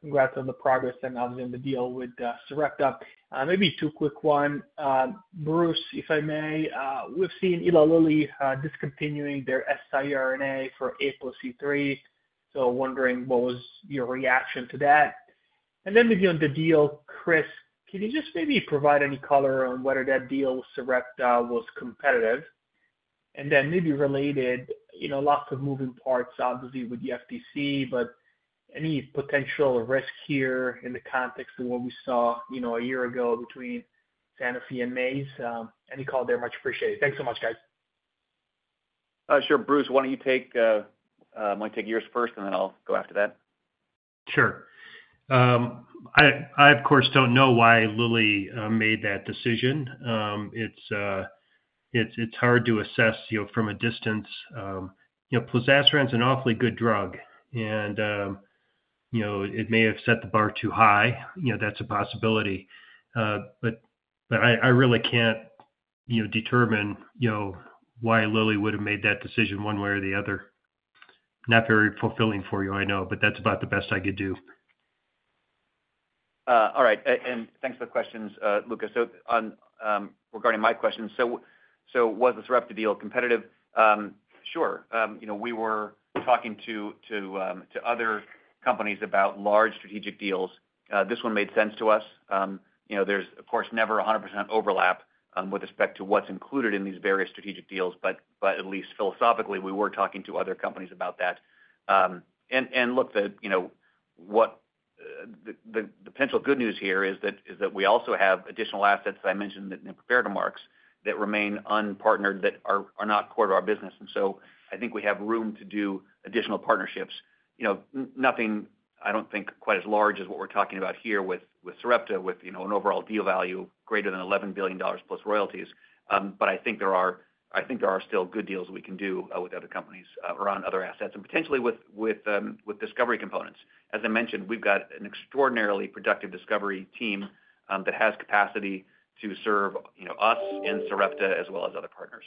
Congrats on the progress and now the deal with Sarepta. Maybe two quick ones. Bruce, if I may, we've seen Eli Lilly discontinuing their siRNA for ApoC3, so wondering what was your reaction to that. And then maybe on the deal, Chris, can you just maybe provide any color on whether that deal with Sarepta was competitive? And then maybe related, lots of moving parts, obviously, with the FTC, but any potential risk here in the context of what we saw a year ago between Sanofi and Maze? Any call there? Much appreciated. Thanks so much, guys. Sure. Bruce, why don't you take yours first, and then I'll go after that. Sure. I, of course, don't know why Lilly made that decision. It's hard to assess from a distance. Plozasiran is an awfully good drug, and it may have set the bar too high. That's a possibility. But I really can't determine why Lilly would have made that decision one way or the other. Not very fulfilling for you, I know, but that's about the best I could do. All right. And thanks for the questions, Luca. So regarding my question, so was the Sarepta deal competitive? Sure. We were talking to other companies about large strategic deals. This one made sense to us. There's, of course, never 100% overlap with respect to what's included in these various strategic deals, but at least philosophically, we were talking to other companies about that, and look, the potential good news here is that we also have additional assets that I mentioned in the prepared remarks that remain unpartnered, that are not core to our business. And so I think we have room to do additional partnerships. Nothing, I don't think, quite as large as what we're talking about here with Sarepta, with an overall deal value greater than $11 billion plus royalties, but I think there are still good deals we can do with other companies around other assets and potentially with discovery components. As I mentioned, we've got an extraordinarily productive discovery team that has capacity to serve us and Sarepta as well as other partners.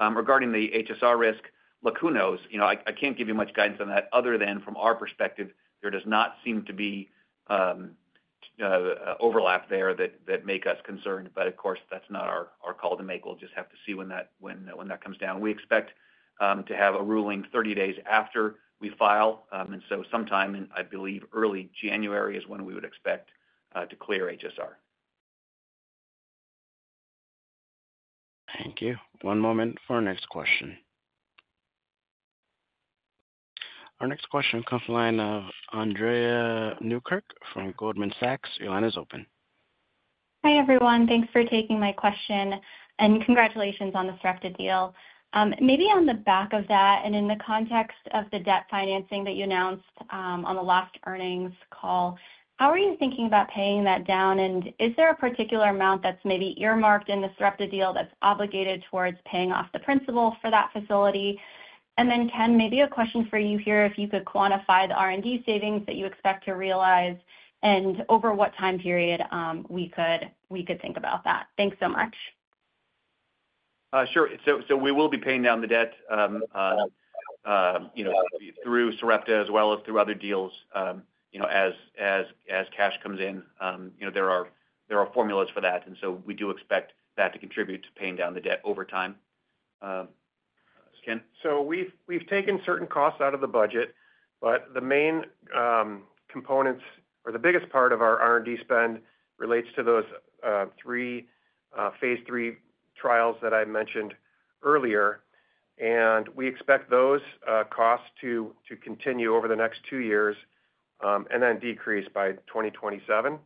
Regarding the HSR risk, look, who knows? I can't give you much guidance on that other than from our perspective, there does not seem to be overlap there that makes us concerned. But of course, that's not our call to make. We'll just have to see when that comes down. We expect to have a ruling 30 days after we file, and so sometime in, I believe, early January is when we would expect to clear HSR. Thank you. One moment for our next question. Our next question comes from the line of Andrea Newkirk from Goldman Sachs. Your line is open. Hi, everyone. Thanks for taking my question, and congratulations on the Sarepta deal. Maybe on the back of that and in the context of the debt financing that you announced on the last earnings call, how are you thinking about paying that down? And is there a particular amount that's maybe earmarked in the Sarepta deal that's obligated towards paying off the principal for that facility? And then, Ken, maybe a question for you here, if you could quantify the R&D savings that you expect to realize and over what time period we could think about that. Thanks so much. Sure. So we will be paying down the debt through Sarepta as well as through other deals as cash comes in. There are formulas for that, and so we do expect that to contribute to paying down the debt over time. Ken? So we've taken certain costs out of the budget, but the main components or the biggest part of our R&D spend relates to those three phase III trials that I mentioned earlier. And we expect those costs to continue over the next two years and then decrease by 2027.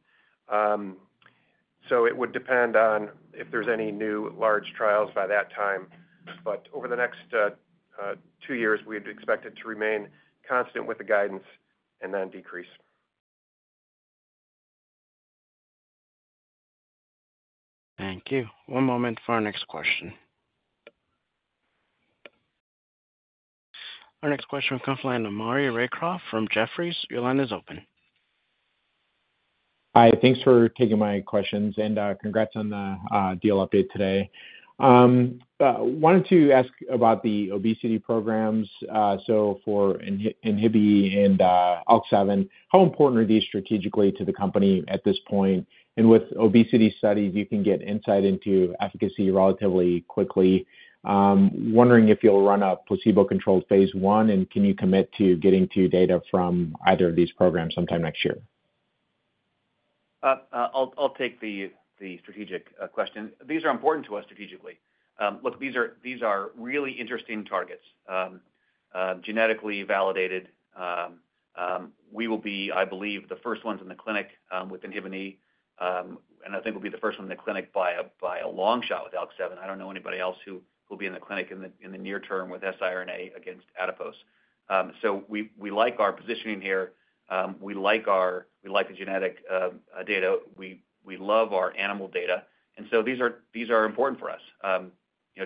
So it would depend on if there's any new large trials by that time. But over the next two years, we'd expect it to remain constant with the guidance and then decrease. Thank you. One moment for our next question. Our next question will come from the line of Maury Raycroft from Jefferies. Your line is open. Hi. Thanks for taking my questions, and congrats on the deal update today. Wanted to ask about the obesity programs. So for ARO-INHBE and ARO-ALK7, how important are these strategically to the company at this point? And with obesity studies, you can get insight into efficacy relatively quickly. Wondering if you'll run a placebo-controlled phase I and can you commit to getting to data from either of these programs sometime next year? I'll take the strategic question. These are important to us strategically. Look, these are really interesting targets, genetically validated. We will be, I believe, the first ones in the clinic with INHBE, and I think we'll be the first one in the clinic by a long shot with ALK7. I don't know anybody else who will be in the clinic in the near term with siRNA against adipose. So we like our positioning here. We like the genetic data. We love our animal data. And so these are important for us.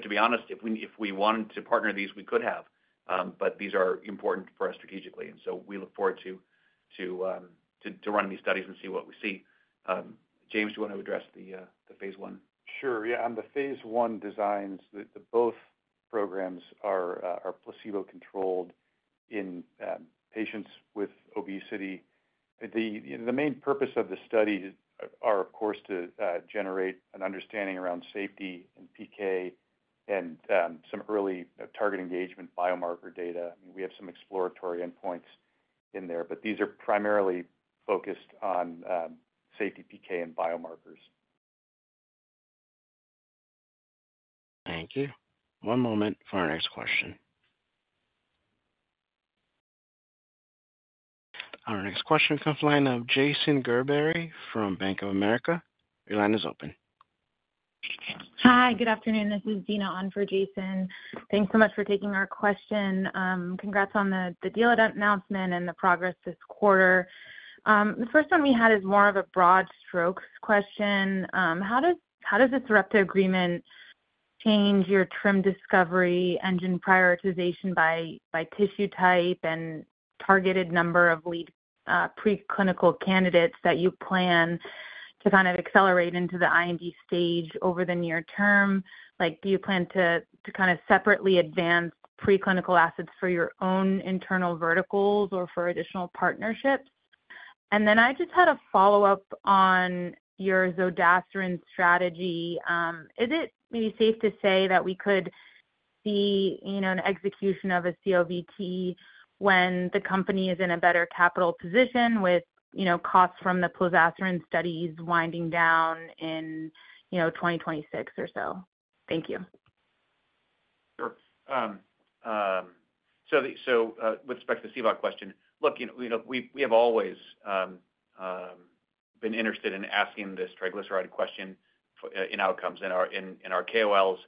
To be honest, if we wanted to partner these, we could have, but these are important for us strategically. And so we look forward to running these studies and see what we see. James, do you want to address the phase I? Sure. Yeah. On the phase I designs, both programs are placebo-controlled in patients with obesity. The main purpose of the studies are, of course, to generate an understanding around safety and PK and some early target engagement biomarker data. We have some exploratory endpoints in there, but these are primarily focused on safety PK and biomarkers. Thank you. One moment for our next question. Our next question comes from the line of Jason Gerbery from Bank of America. Your line is open. Hi. Good afternoon. This is Dina on for Jason. Thanks so much for taking our question. Congrats on the deal announcement and the progress this quarter. The first one we had is more of a broad strokes question. How does the Sarepta agreement change your TRiM discovery engine prioritization by tissue type and targeted number of preclinical candidates that you plan to kind of accelerate into the IND stage over the near term? Do you plan to kind of separately advance preclinical assets for your own internal verticals or for additional partnerships? And then I just had a follow-up on your zodasiran strategy. Is it maybe safe to say that we could see an execution of a CVOT when the company is in a better capital position with costs from the plozasiran studies winding down in 2026 or so? Thank you. Sure. So with respect to the CVOT question, look, we have always been interested in asking this triglyceride question in outcomes. And our KOLs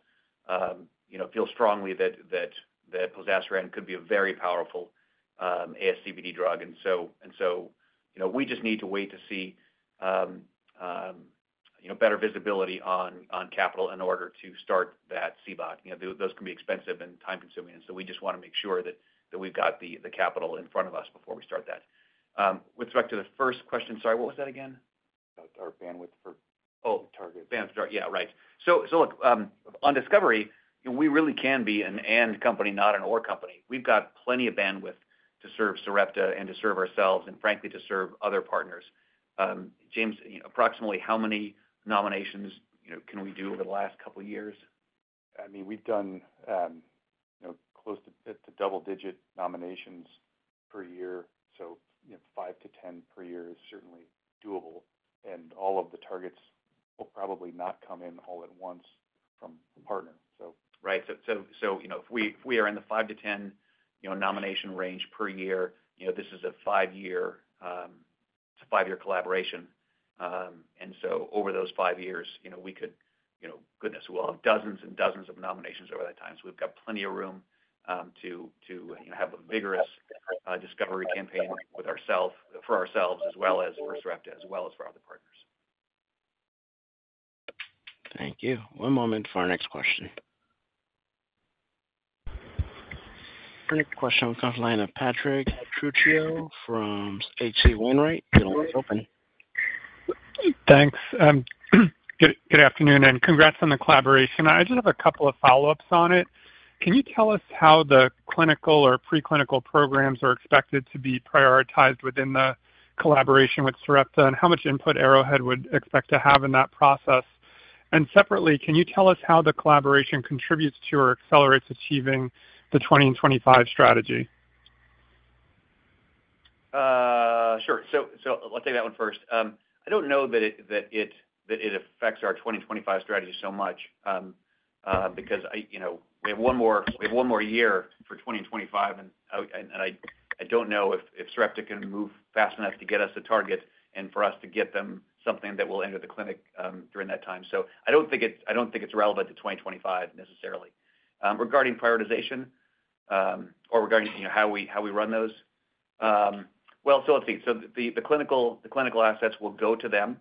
feel strongly that plozasiran could be a very powerful ASCVD drug. We just need to wait to see better visibility on capital in order to start that CVOT. Those can be expensive and time-consuming, and we just want to make sure that we've got the capital in front of us before we start that. With respect to the first question, sorry, what was that again? Our bandwidth for targets. Oh, bandwidth for targets. Yeah. Right. Look, on discovery, we really can be an and company, not an or company. We've got plenty of bandwidth to serve Sarepta and to serve ourselves and, frankly, to serve other partners. James, approximately how many nominations can we do over the last couple of years? I mean, we've done close to double-digit nominations per year. So five to 10 per year is certainly doable. All of the targets will probably not come in all at once from a partner, so. Right. So if we are in the 5-10 nomination range per year, this is a five-year collaboration. And so over those five years, we could, goodness, we'll have dozens and dozens of nominations over that time. So we've got plenty of room to have a vigorous discovery campaign for ourselves as well as for Sarepta as well as for other partners. Thank you. One moment for our next question. Our next question will come from the line of Patrick Trucchio from H.C. Wainwright. Your line is open. Thanks. Good afternoon, and congrats on the collaboration. I just have a couple of follow-ups on it. Can you tell us how the clinical or preclinical programs are expected to be prioritized within the collaboration with Sarepta and how much input Arrowhead would expect to have in that process? Separately, can you tell us how the collaboration contributes to or accelerates achieving the 2025 strategy? Sure. I'll take that one first. I don't know that it affects our 2025 strategy so much because we have one more year for 2025, and I don't know if Sarepta can move fast enough to get us the targets and for us to get them something that will enter the clinic during that time. I don't think it's relevant to 2025 necessarily. Regarding prioritization or regarding how we run those? Let's see. The clinical assets will go to them.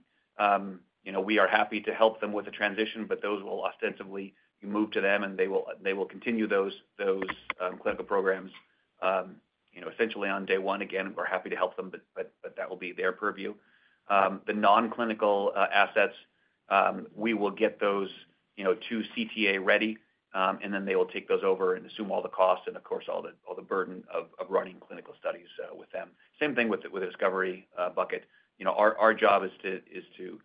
We are happy to help them with the transition, but those will ostensibly be moved to them, and they will continue those clinical programs essentially on day one. Again, we're happy to help them, but that will be their purview. The non-clinical assets, we will get those to CTA ready, and then they will take those over and assume all the costs and, of course, all the burden of running clinical studies with them. Same thing with the discovery bucket. Our job is to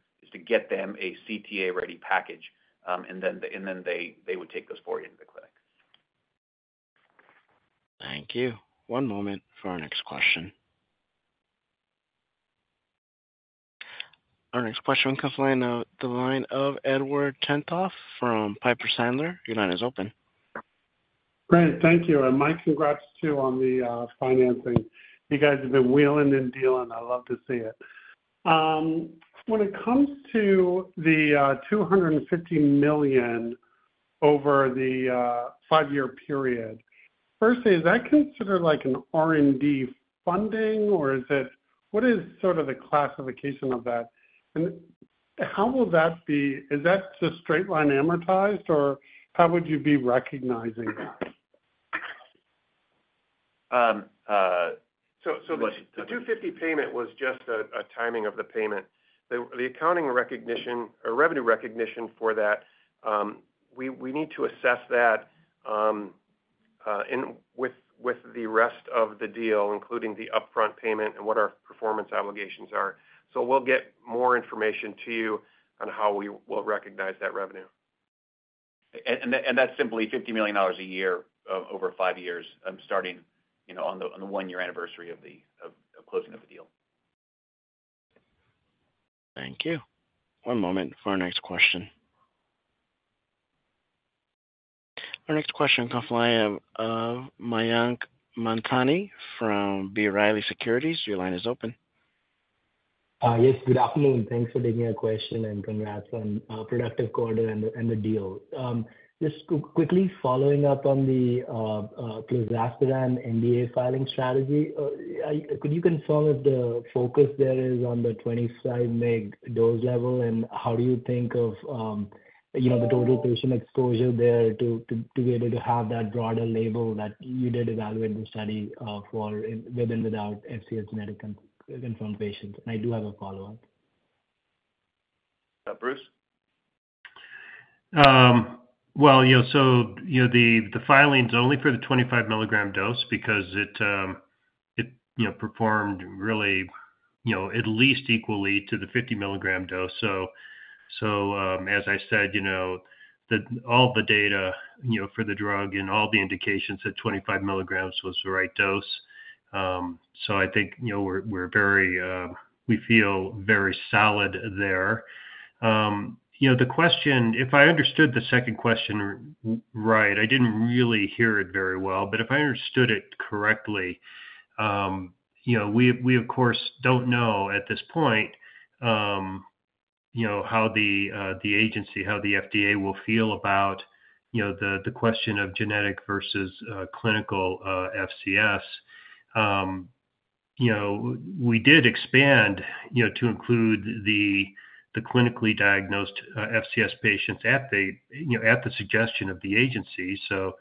get them a CTA-ready package, and then they would take those forward into the clinic. Thank you. One moment for our next question. Our next question comes from the line of Edward Tenthoff from Piper Sandler. Your line is open. Great. Thank you. And my congrats too on the financing. You guys have been wheeling and dealing. I love to see it. When it comes to the $250 million over the five-year period, firstly, is that considered like an R&D funding, or what is sort of the classification of that? And how will that be? Is that just straight-line amortized, or how would you be recognizing that? So the 250 payment was just a timing of the payment. The accounting recognition or revenue recognition for that, we need to assess that with the rest of the deal, including the upfront payment and what our performance obligations are. So we'll get more information to you on how we will recognize that revenue. And that's simply $50 million a year over five years starting on the one-year anniversary of closing of the deal. Thank you. One moment for our next question. Our next question comes from the line of Mayank Mamtani from B. Riley Securities. Your line is open. Yes. Good afternoon. Thanks for taking our question and congrats on a productive quarter and the deal. Just quickly following up on the plozasiran NDA filing strategy, could you confirm if the focus there is on the 25-mg dose level and how do you think of the total patient exposure there to be able to have that broader label that you did evaluate the study for with and without FCS genetically confirmed patients? And I do have a follow-up. Bruce? Well, so the filing's only for the 25-mg dose because it performed really at least equally to the 50-mg dose. So as I said, all the data for the drug and all the indications that 25 mg was the right dose. So I think we feel very solid there. If I understood the second question right, I didn't really hear it very well. But if I understood it correctly, we, of course, don't know at this point how the agency, how the FDA will feel about the question of genetic versus clinical FCS. We did expand to include the clinically diagnosed FCS patients at the suggestion of the agency. So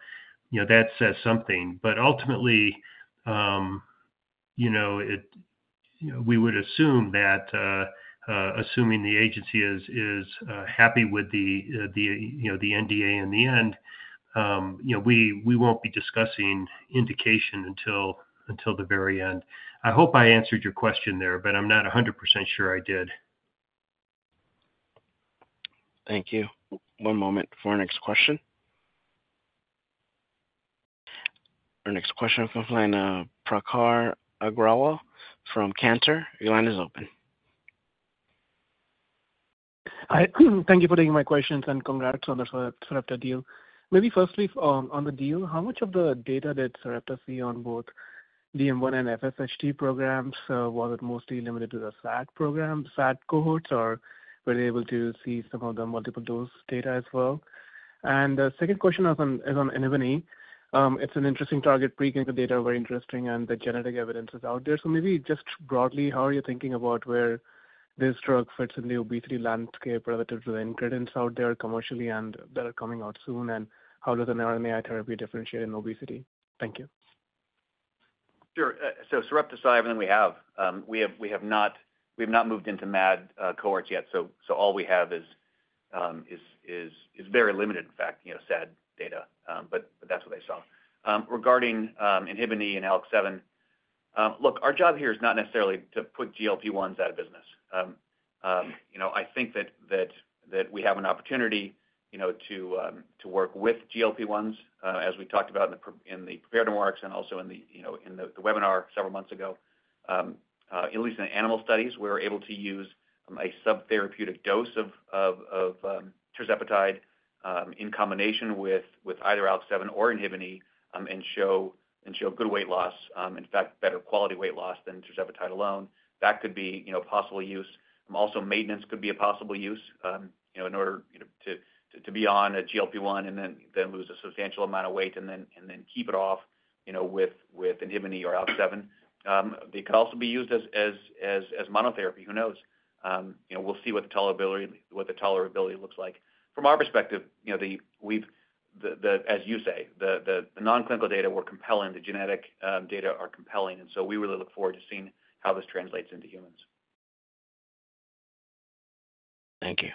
that says something. But ultimately, we would assume that assuming the agency is happy with the NDA in the end, we won't be discussing indication until the very end. I hope I answered your question there, but I'm not 100% sure I did. Thank you. One moment for our next question. Our next question comes from the line of Prakhar Agrawal from Cantor. Your line is open. Thank you for taking my questions and congrats on the Sarepta deal. Maybe firstly, on the deal, how much of the data did Sarepta see on both the DM1 and FSHD programs? Was it mostly limited to the SAD program, SAD cohorts, or were they able to see some of the multiple dose data as well? And the second question is on INHBE. It's an interesting target. Preclinical data are very interesting, and the genetic evidence is out there. So maybe just broadly, how are you thinking about where this drug fits in the obesity landscape relative to the incretins out there commercially that are coming out soon, and how does an RNAi therapy differentiate in obesity? Thank you. Sure. So Sarepta, SAD, and then we have. We have not moved into MAD cohorts yet. So all we have is very limited, in fact, SAD data. But that's what I saw. Regarding INHBE and ALK7, look, our job here is not necessarily to put GLP-1s out of business. I think that we have an opportunity to work with GLP-1s, as we talked about in the prepared remarks and also in the webinar several months ago. At least in animal studies, we were able to use a subtherapeutic dose of tirzepatide in combination with either ARO-ALK7 or ARO-INHBE and show good weight loss, in fact, better quality weight loss than tirzepatide alone. That could be a possible use. Also, maintenance could be a possible use in order to be on a GLP-1 and then lose a substantial amount of weight and then keep it off with ARO-INHBE or ARO-ALK7. It could also be used as monotherapy. Who knows? We'll see what the tolerability looks like. From our perspective, as you say, the non-clinical data were compelling. The genetic data are compelling, and so we really look forward to seeing how this translates into humans. Thank you.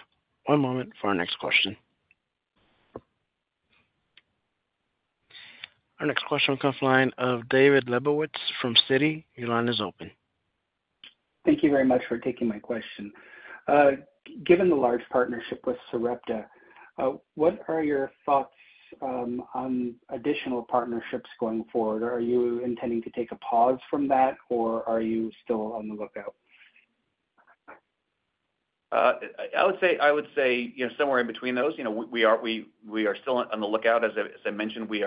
One moment for our next question. Our next question comes from the line of David Lebowitz from Citi. Your line is open. Thank you very much for taking my question. Given the large partnership with Sarepta, what are your thoughts on additional partnerships going forward? Are you intending to take a pause from that, or are you still on the lookout? I would say somewhere in between those. We are still on the lookout. As I mentioned, we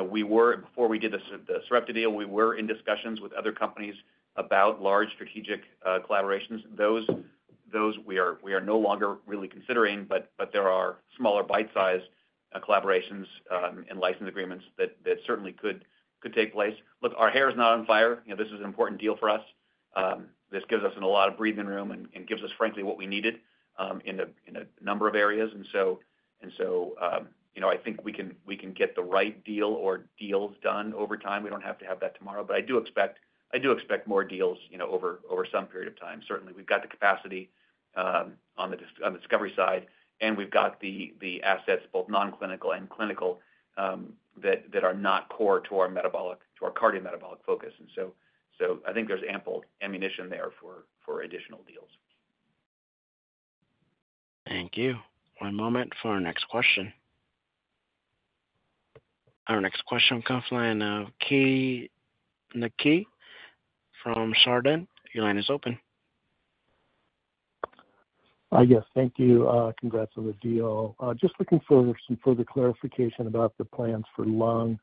were before we did the Sarepta deal, we were in discussions with other companies about large strategic collaborations. Those we are no longer really considering, but there are smaller bite-sized collaborations and license agreements that certainly could take place. Look, our hair is not on fire. This is an important deal for us. This gives us a lot of breathing room and gives us, frankly, what we needed in a number of areas. And so I think we can get the right deal or deals done over time. We don't have to have that tomorrow. But I do expect more deals over some period of time. Certainly, we've got the capacity on the discovery side, and we've got the assets, both non-clinical and clinical, that are not core to our cardiometabolic focus. And so I think there's ample ammunition there for additional deals. Thank you. One moment for our next question. Our next question comes from the line of Keay from Chardan. Your line is open. Yes. Thank you. Congrats on the deal. Just looking for some further clarification about the plans for lung.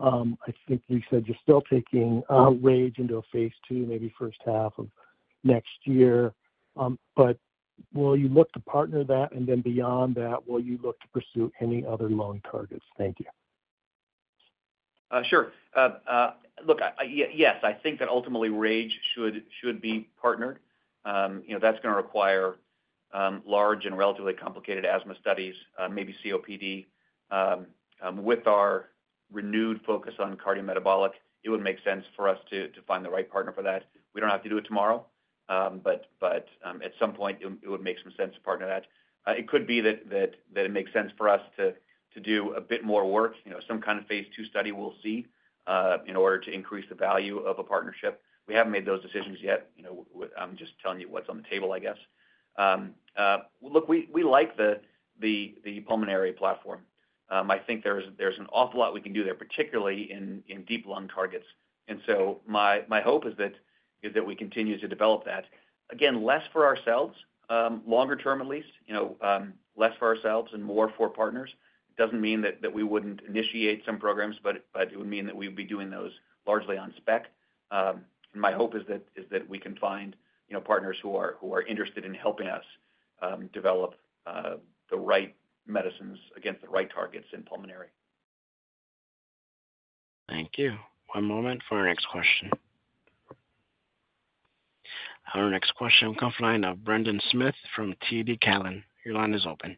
I think you said you're still taking RAGE into a phase II, maybe first half of next year. But will you look to partner that? And then beyond that, will you look to pursue any other lung targets? Thank you. Sure. Look, yes, I think that ultimately RAGE should be partnered. That's going to require large and relatively complicated asthma studies, maybe COPD. With our renewed focus on cardiometabolic, it would make sense for us to find the right partner for that. We don't have to do it tomorrow. But at some point, it would make some sense to partner that. It could be that it makes sense for us to do a bit more work. Some kind of phase II study we'll see in order to increase the value of a partnership. We haven't made those decisions yet. I'm just telling you what's on the table, I guess. Look, we like the pulmonary platform. I think there's an awful lot we can do there, particularly in deep lung targets. And so my hope is that we continue to develop that. Again, less for ourselves, longer term at least, less for ourselves and more for partners. It doesn't mean that we wouldn't initiate some programs, but it would mean that we would be doing those largely on spec. And my hope is that we can find partners who are interested in helping us develop the right medicines against the right targets in pulmonary. Thank you. One moment for our next question. Our next question comes from the line of Brendan Smith from TD Cowen. Your line is open.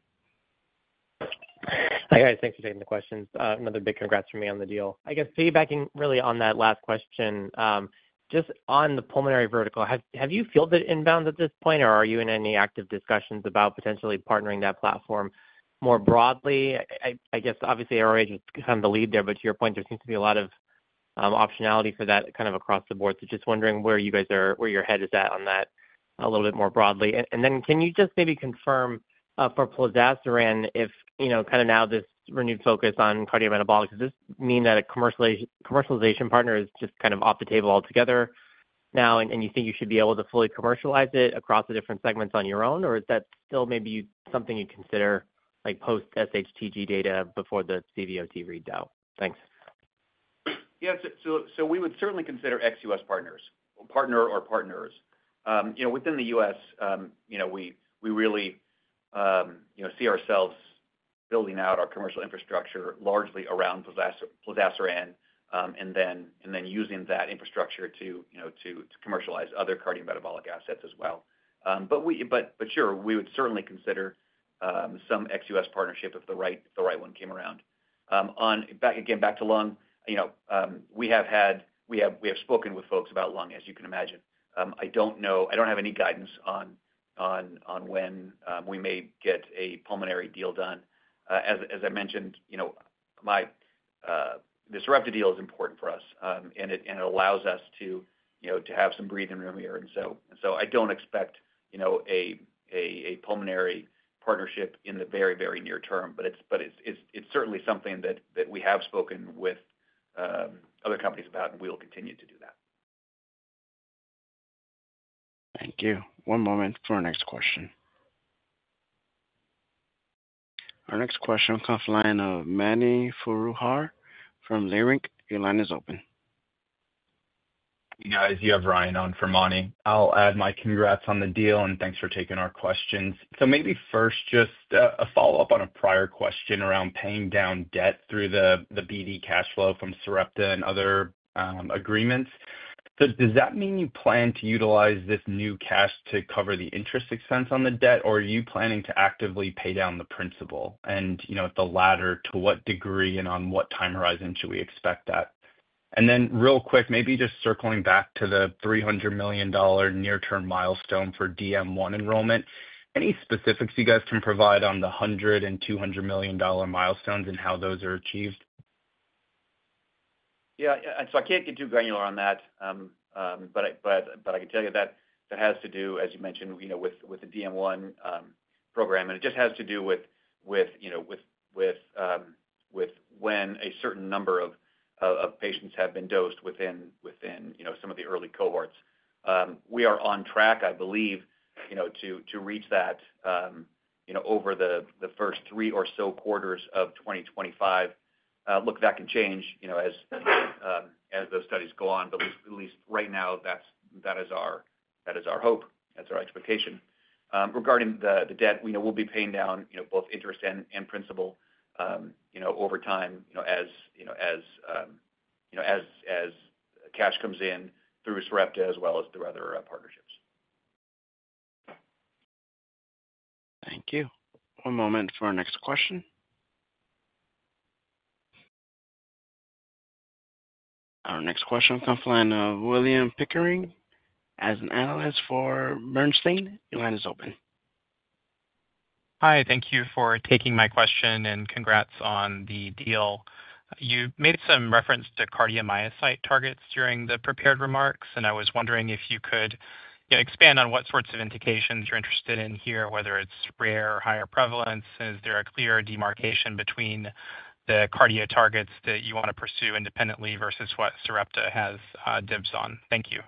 Hi, guys. Thanks for taking the questions. Another big congrats from me on the deal. I guess piggybacking really on that last question, just on the pulmonary vertical, have you fielded inbound at this point, or are you in any active discussions about potentially partnering that platform more broadly? I guess, obviously, ARO-RAGE is kind of the lead there, but to your point, there seems to be a lot of optionality for that kind of across the board. So just wondering where your head is at on that a little bit more broadly. And then can you just maybe confirm for plozasiran if kind of now this renewed focus on cardiometabolic, does this mean that a commercialization partner is just kind of off the table altogether now, and you think you should be able to fully commercialize it across the different segments on your own, or is that still maybe something you'd consider post-SHTG data before the CVOT reads out? Thanks. Yeah. So we would certainly consider ex-U.S. partners or partners. Within the U.S., we really see ourselves building out our commercial infrastructure largely around plozasiran and then using that infrastructure to commercialize other cardiometabolic assets as well. But sure, we would certainly consider some ex-U.S. partnership if the right one came around. Again, back to Lung, we have spoken with folks about Lung, as you can imagine. I don't have any guidance on when we may get a pulmonary deal done. As I mentioned, the Sarepta deal is important for us, and it allows us to have some breathing room here. And so I don't expect a pulmonary partnership in the very, very near term, but it's certainly something that we have spoken with other companies about, and we'll continue to do that. Thank you. One moment for our next question. Our next question comes from the line of Mani Foroohar from Leerink. Your line is open. Yeah. I see you have Ryan on for Mani. I'll add my congrats on the deal, and thanks for taking our questions. So maybe first, just a follow-up on a prior question around paying down debt through the BD cash flow from Sarepta and other agreements. So does that mean you plan to utilize this new cash to cover the interest expense on the debt, or are you planning to actively pay down the principal? And if the latter, to what degree and on what time horizon should we expect that? And then real quick, maybe just circling back to the $300 million near-term milestone for DM1 enrollment, any specifics you guys can provide on the $100 million and $200 million milestones and how those are achieved? Yeah. So, I can't get too granular on that, but I can tell you that has to do, as you mentioned, with the DM1 program. And it just has to do with when a certain number of patients have been dosed within some of the early cohorts. We are on track, I believe, to reach that over the first three or so quarters of 2025. Look, that can change as those studies go on. But at least right now, that is our hope. That's our expectation. Regarding the debt, we'll be paying down both interest and principal over time as cash comes in through Sarepta as well as through other partnerships. Thank you. One moment for our next question. Our next question comes from the line of William Pickering as an analyst for Bernstein. Your line is open. Hi. Thank you for taking my question and congrats on the deal. You made some reference to cardiomyocyte targets during the prepared remarks, and I was wondering if you could expand on what sorts of indications you're interested in here, whether it's rare or higher prevalence, and is there a clear demarcation between the cardio targets that you want to pursue independently versus what Sarepta has dibs on? Thank you.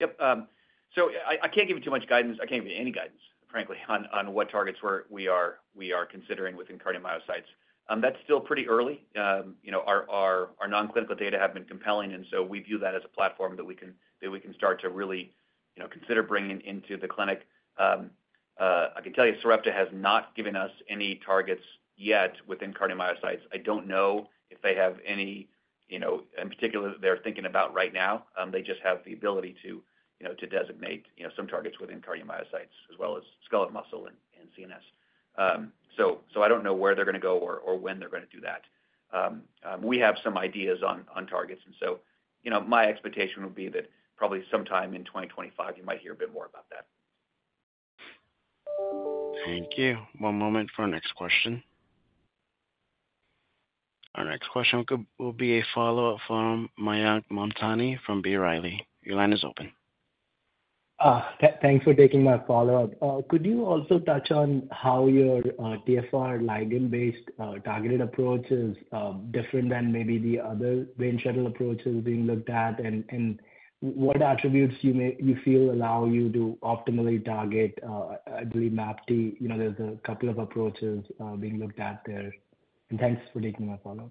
Yep. So I can't give you too much guidance. I can't give you any guidance, frankly, on what targets we are considering within cardiomyocytes. That's still pretty early. Our non-clinical data have been compelling, and so we view that as a platform that we can start to really consider bringing into the clinic. I can tell you Sarepta has not given us any targets yet within cardiomyocytes. I don't know if they have any in particular that they're thinking about right now. They just have the ability to designate some targets within cardiomyocytes as well as skeletal muscle and CNS. So I don't know where they're going to go or when they're going to do that. We have some ideas on targets. And so my expectation would be that probably sometime in 2025, you might hear a bit more about that. Thank you. One moment for our next question. Our next question will be a follow-up from Mayank Mamtani from B. Riley. Your line is open. Thanks for taking my follow-up. Could you also touch on how your TFR ligand-based targeted approach is different than maybe the other brain shuttle approaches being looked at, and what attributes you feel allow you to optimally target the MAPT? There's a couple of approaches being looked at there. And thanks for taking my follow-up.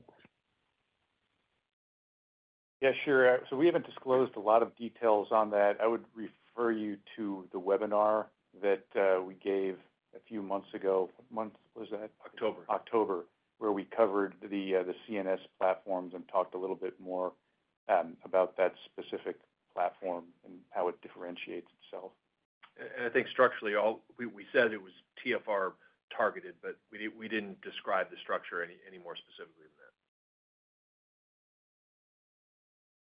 Yeah, sure. So we haven't disclosed a lot of details on that. I would refer you to the webinar that we gave a few months ago. What month was that? October. October, where we covered the CNS platforms and talked a little bit more about that specific platform and how it differentiates itself. And I think structurally, we said it was TFR-targeted, but we didn't describe the structure any more specifically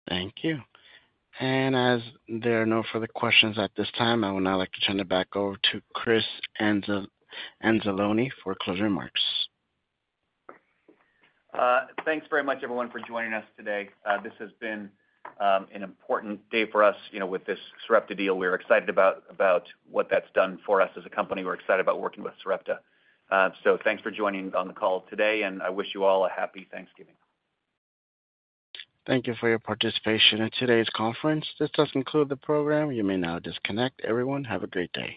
than that. Thank you. And as there are no further questions at this time, I would now like to turn it back over to Chris Anzalone for closing remarks. Thanks very much, everyone, for joining us today. This has been an important day for us with this Sarepta deal. We're excited about what that's done for us as a company. We're excited about working with Sarepta. So thanks for joining on the call today, and I wish you all a happy Thanksgiving. Thank you for your participation in today's conference. This does conclude the program. You may now disconnect. Everyone, have a great day.